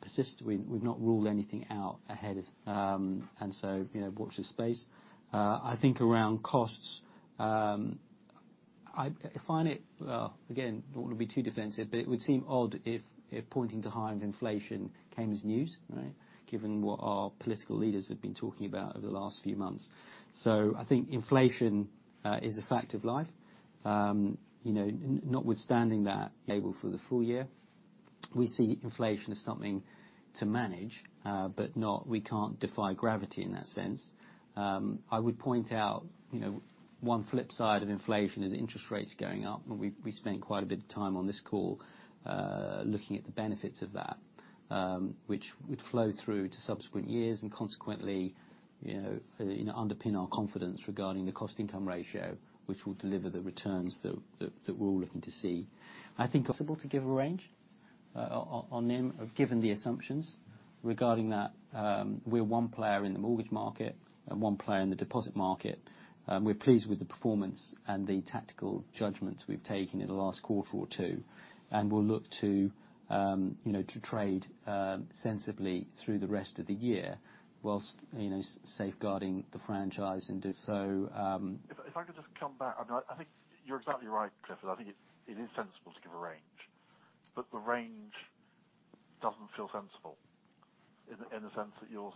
persist. We've not ruled anything out ahead of. You know, watch this space. I think around costs, I find it, well, again, don't wanna be too defensive, but it would seem odd if pointing to higher inflation came as news, right? Given what our political leaders have been talking about over the last few months. I think inflation is a fact of life. You know, notwithstanding that label for the full year, we see inflation as something to manage, but we can't defy gravity in that sense. I would point out, you know, one flip side of inflation is interest rates going up. We spent quite a bit of time on this call looking at the benefits of that which would flow through to subsequent years, and consequently, you know, underpin our confidence regarding the cost income ratio, which will deliver the returns that we're all looking to see. I think possible to give a range on them, given the assumptions regarding that, we're one player in the mortgage market and one player in the deposit market. We're pleased with the performance and the tactical judgments we've taken in the last quarter or two. We'll look to, you know, to trade sensibly through the rest of the year while, you know, safeguarding the franchise and do so. If I could just come back. I think you're exactly right, Clifford. I think it is sensible to give a range, but the range doesn't feel sensible in the sense that you're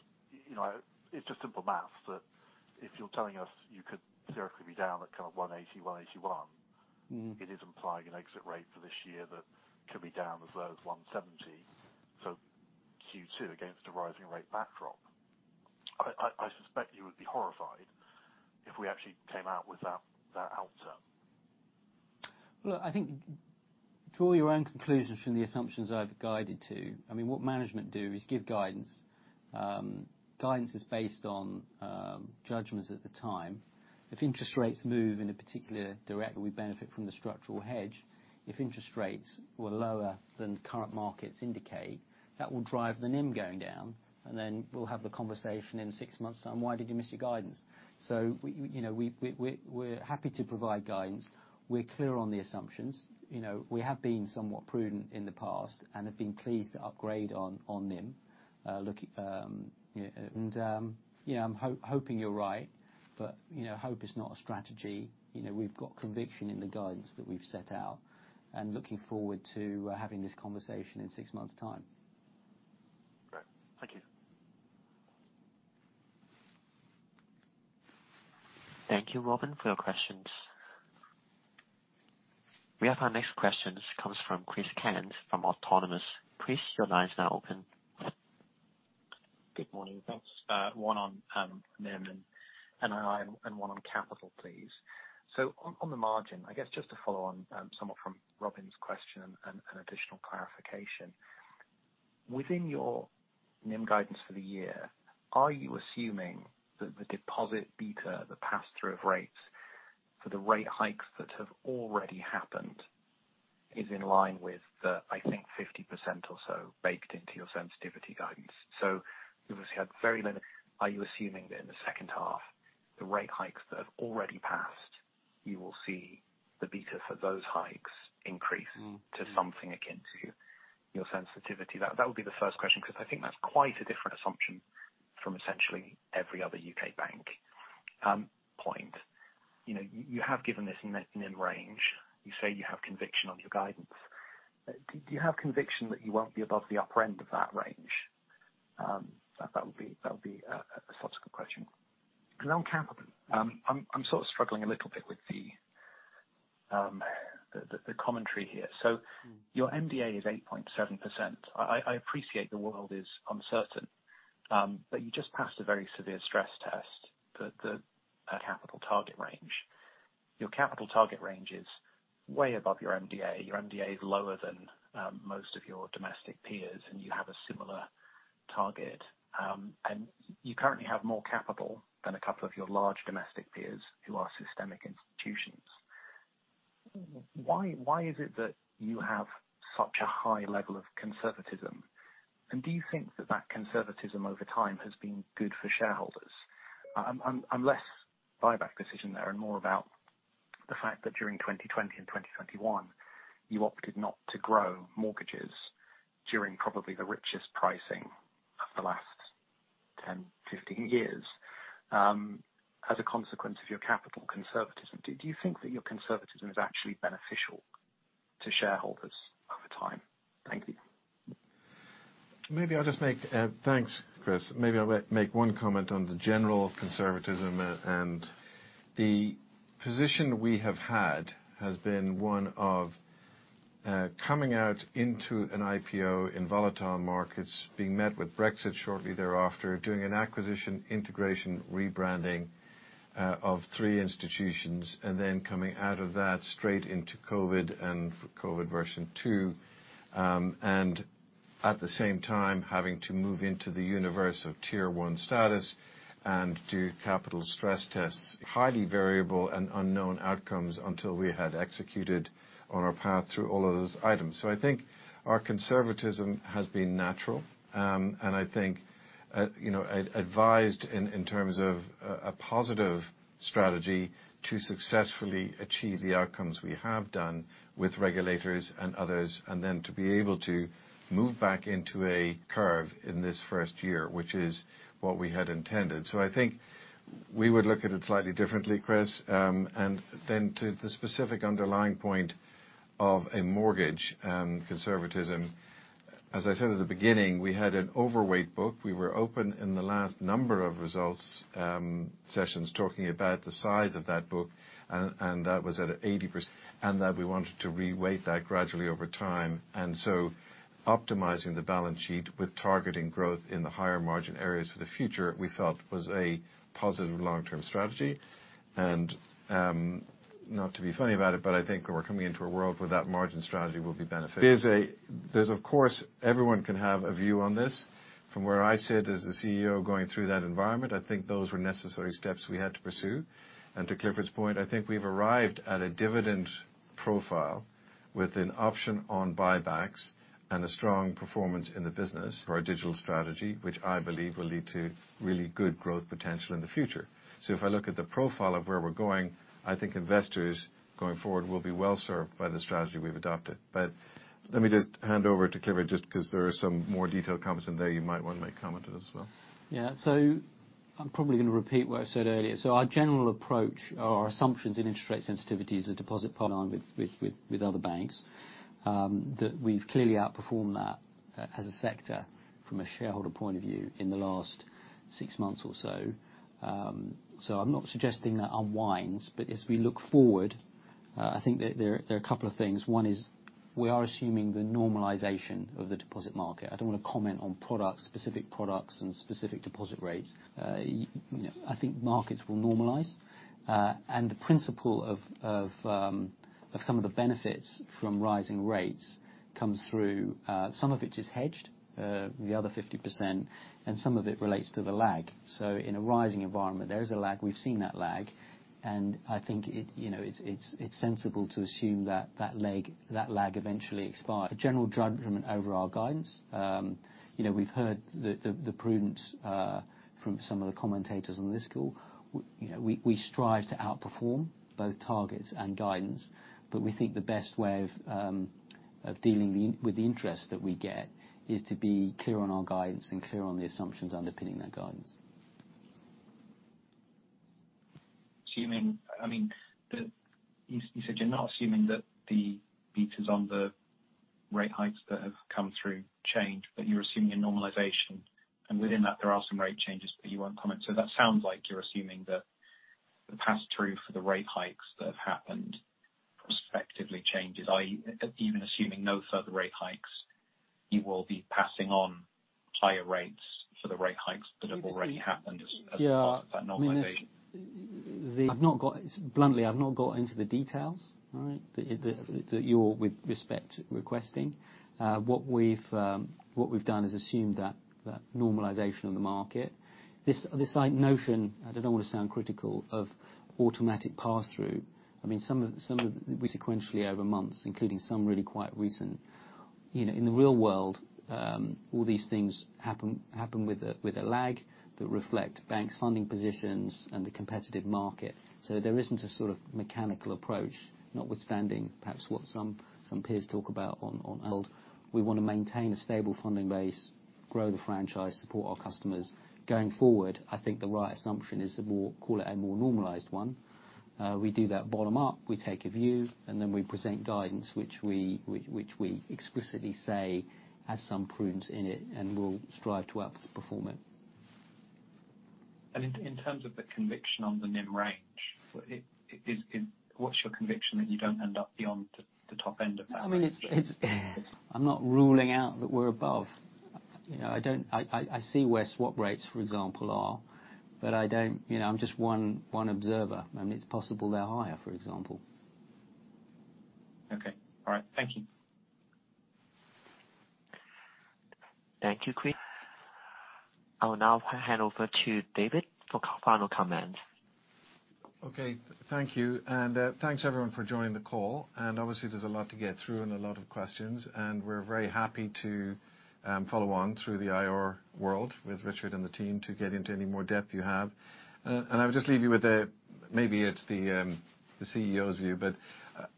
you know, it's just simple math, that if you're telling us you could theoretically be down at kind of 180, 181. Mm-hmm. It is implying an exit rate for this year that could be down as low as 170. Q2 against a rising rate backdrop. I suspect you would be horrified if we actually came out with that outturn. Look, I think draw your own conclusions from the assumptions I've guided to. I mean, what management do is give guidance. Guidance is based on judgments at the time. If interest rates move in a particular direction, we benefit from the structural hedge. If interest rates were lower than current markets indicate, that will drive the NIM going down, and then we'll have the conversation in six months' time, "Why did you miss your guidance?" You know, we're happy to provide guidance. We're clear on the assumptions. You know, we have been somewhat prudent in the past and have been pleased to upgrade on NIM. Look, you know, I'm hoping you're right. You know, hope is not a strategy. You know, we've got conviction in the guidance that we've set out, and looking forward to having this conversation in six months' time. Great. Thank you. Thank you Robin, for your questions. We have our next question comes from Chris Cairns from Autonomous. Chris, your line is now open. Good morning. Thanks. One on NIM and one on capital, please. On the margin, I guess just to follow on somewhat from Robin's question and additional clarification. Within your NIM guidance for the year, are you assuming that the deposit beta, the pass-through of rates for the rate hikes that have already happened is in line with the, I think, 50% or so baked into your sensitivity guidance? You've obviously had. Are you assuming that in the second half, the rate hikes that have already passed, you will see the beta for those hikes increase to something akin to your sensitivity? That would be the first question, 'cause I think that's quite a different assumption from essentially every other U.K. bank. Point. You know, you have given this NIM range. You say you have conviction on your guidance. Do you have conviction that you won't be above the upper end of that range? That would be a subsequent question. On capital. I'm sort of struggling a little bit with the commentary here. Your MDA is 8.7%. I appreciate the world is uncertain, but you just passed a very severe stress test, and the capital target range is way above your MDA. Your MDA is lower than most of your domestic peers, and you have a similar target. You currently have more capital than a couple of your large domestic peers who are systemic institutions. Why is it that you have such a high level of conservatism? Do you think that conservatism over time has been good for shareholders? It's less about the buyback decision there, and more about the fact that during 2020 and 2021, you opted not to grow mortgages during probably the richest pricing of the last 10, 15 years, as a consequence of your capital conservatism. Do you think that your conservatism is actually beneficial to shareholders? Thanks, Chris. Maybe I'll make one comment on the general conservatism and the position we have had has been one of coming out into an IPO in volatile markets, being met with Brexit shortly thereafter, doing an acquisition integration rebranding of three institutions, and then coming out of that straight into COVID and COVID version 2, and at the same time having to move into the universe of tier one status and do capital stress tests. Highly variable and unknown outcomes until we had executed on our path through all of those items. I think our conservatism has been natural, and I think, you know, advised in terms of a positive strategy to successfully achieve the outcomes we have done with regulators and others, and then to be able to move back into a curve in this first year, which is what we had intended. I think we would look at it slightly differently, Chris. To the specific underlying point of a mortgage conservatism, as I said at the beginning, we had an overweight book. We were open in the last number of results sessions talking about the size of that book, and that was at 80%, and that we wanted to re-weight that gradually over time. Optimizing the balance sheet with targeting growth in the higher margin areas for the future, we felt was a positive long-term strategy. Not to be funny about it, but I think we're coming into a world where that margin strategy will be beneficial. There's of course, everyone can have a view on this. From where I sit as the CEO going through that environment, I think those were necessary steps we had to pursue. To Clifford's point, I think we've arrived at a dividend profile with an option on buybacks and a strong performance in the business for our digital strategy, which I believe will lead to really good growth potential in the future. If I look at the profile of where we're going, I think investors going forward will be well-served by the strategy we've adopted. Let me just hand over to Clifford, just 'cause there are some more detailed comments in there you might wanna make comment on as well. Yeah. I'm probably gonna repeat what I said earlier. Our general approach or our assumptions in interest rate sensitivity is a deposit beta on par with other banks, that we've clearly outperformed that as a sector from a shareholder point of view in the last six months or so. I'm not suggesting that unwinds, but as we look forward, I think that there are a couple of things. One is we are assuming the normalization of the deposit market. I don't wanna comment on products, specific products and specific deposit rates. You know, I think markets will normalize. The principle of some of the benefits from rising rates comes through, some of which is hedged, the other 50%, and some of it relates to the lag. In a rising environment, there is a lag. We've seen that lag. I think it's sensible to assume that lag eventually expires. A general drive from an overall guidance. We've heard the prudence from some of the commentators on this call. We strive to outperform both targets and guidance, but we think the best way of dealing with the interest that we get is to be clear on our guidance and clear on the assumptions underpinning that guidance. You said you're not assuming that the beat is on the rate hikes that have come through change, but you're assuming a normalization, and within that there are some rate changes, but you won't comment. That sounds like you're assuming that the pass-through for the rate hikes that have happened prospectively changes. Are you even assuming no further rate hikes, you will be passing on higher rates for the rate hikes that have already happened as part of that normalization? Yeah. I mean, it's bluntly, I'll not got into the details, all right? That you're, with respect, requesting. What we've done is assume that normalization of the market. This notion, I don't wanna sound critical, of automatic pass-through. I mean some of. We sequentially over months, including some really quite recent. You know, in the real world, all these things happen with a lag that reflect banks' funding positions and the competitive market. So there isn't a sort of mechanical approach, notwithstanding perhaps what some peers talk about on. We wanna maintain a stable funding base, grow the franchise, support our customers. Going forward, I think the right assumption is the more, call it a more normalized one. We do that bottom up, we take a view, and then we present guidance which we explicitly say has some prudence in it and will strive to outperform it. In terms of the conviction on the NIM range, what's your conviction that you don't end up beyond the top end of that range? I mean, it's. I'm not ruling out that we're above. You know, I don't, I see where swap rates, for example, are, but I don't. You know, I'm just one observer. I mean, it's possible they're higher, for example. Okay. All right. Thank you. Thank you Chris. I will now hand over to David for final comments. Okay. Thank you. Thanks everyone for joining the call. Obviously there's a lot to get through and a lot of questions, and we're very happy to follow on through the IR world with Richard and the team to get into any more depth you have. I would just leave you with maybe it's the CEO's view, but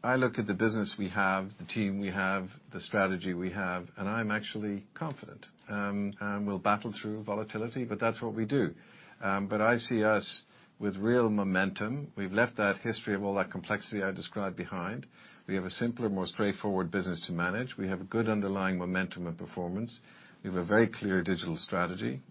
I look at the business we have, the team we have, the strategy we have, and I'm actually confident. We'll battle through volatility, but that's what we do. I see us with real momentum. We've left that history of all that complexity I described behind. We have a simpler, more straightforward business to manage. We have good underlying momentum and performance. We have a very clear digital strategy.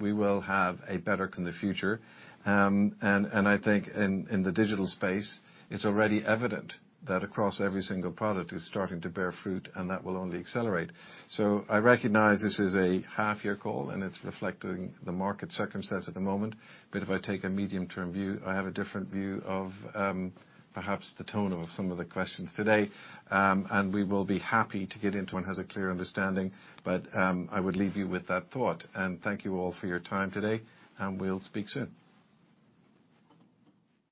We will have a better in the future. I think in the digital space, it's already evident that across every single product is starting to bear fruit, and that will only accelerate. I recognize this is a half-year call, and it's reflecting the market circumstance at the moment. If I take a medium-term view, I have a different view of perhaps the tone of some of the questions today. We will be happy to get into and has a clear understanding. I would leave you with that thought. Thank you all for your time today, and we'll speak soon.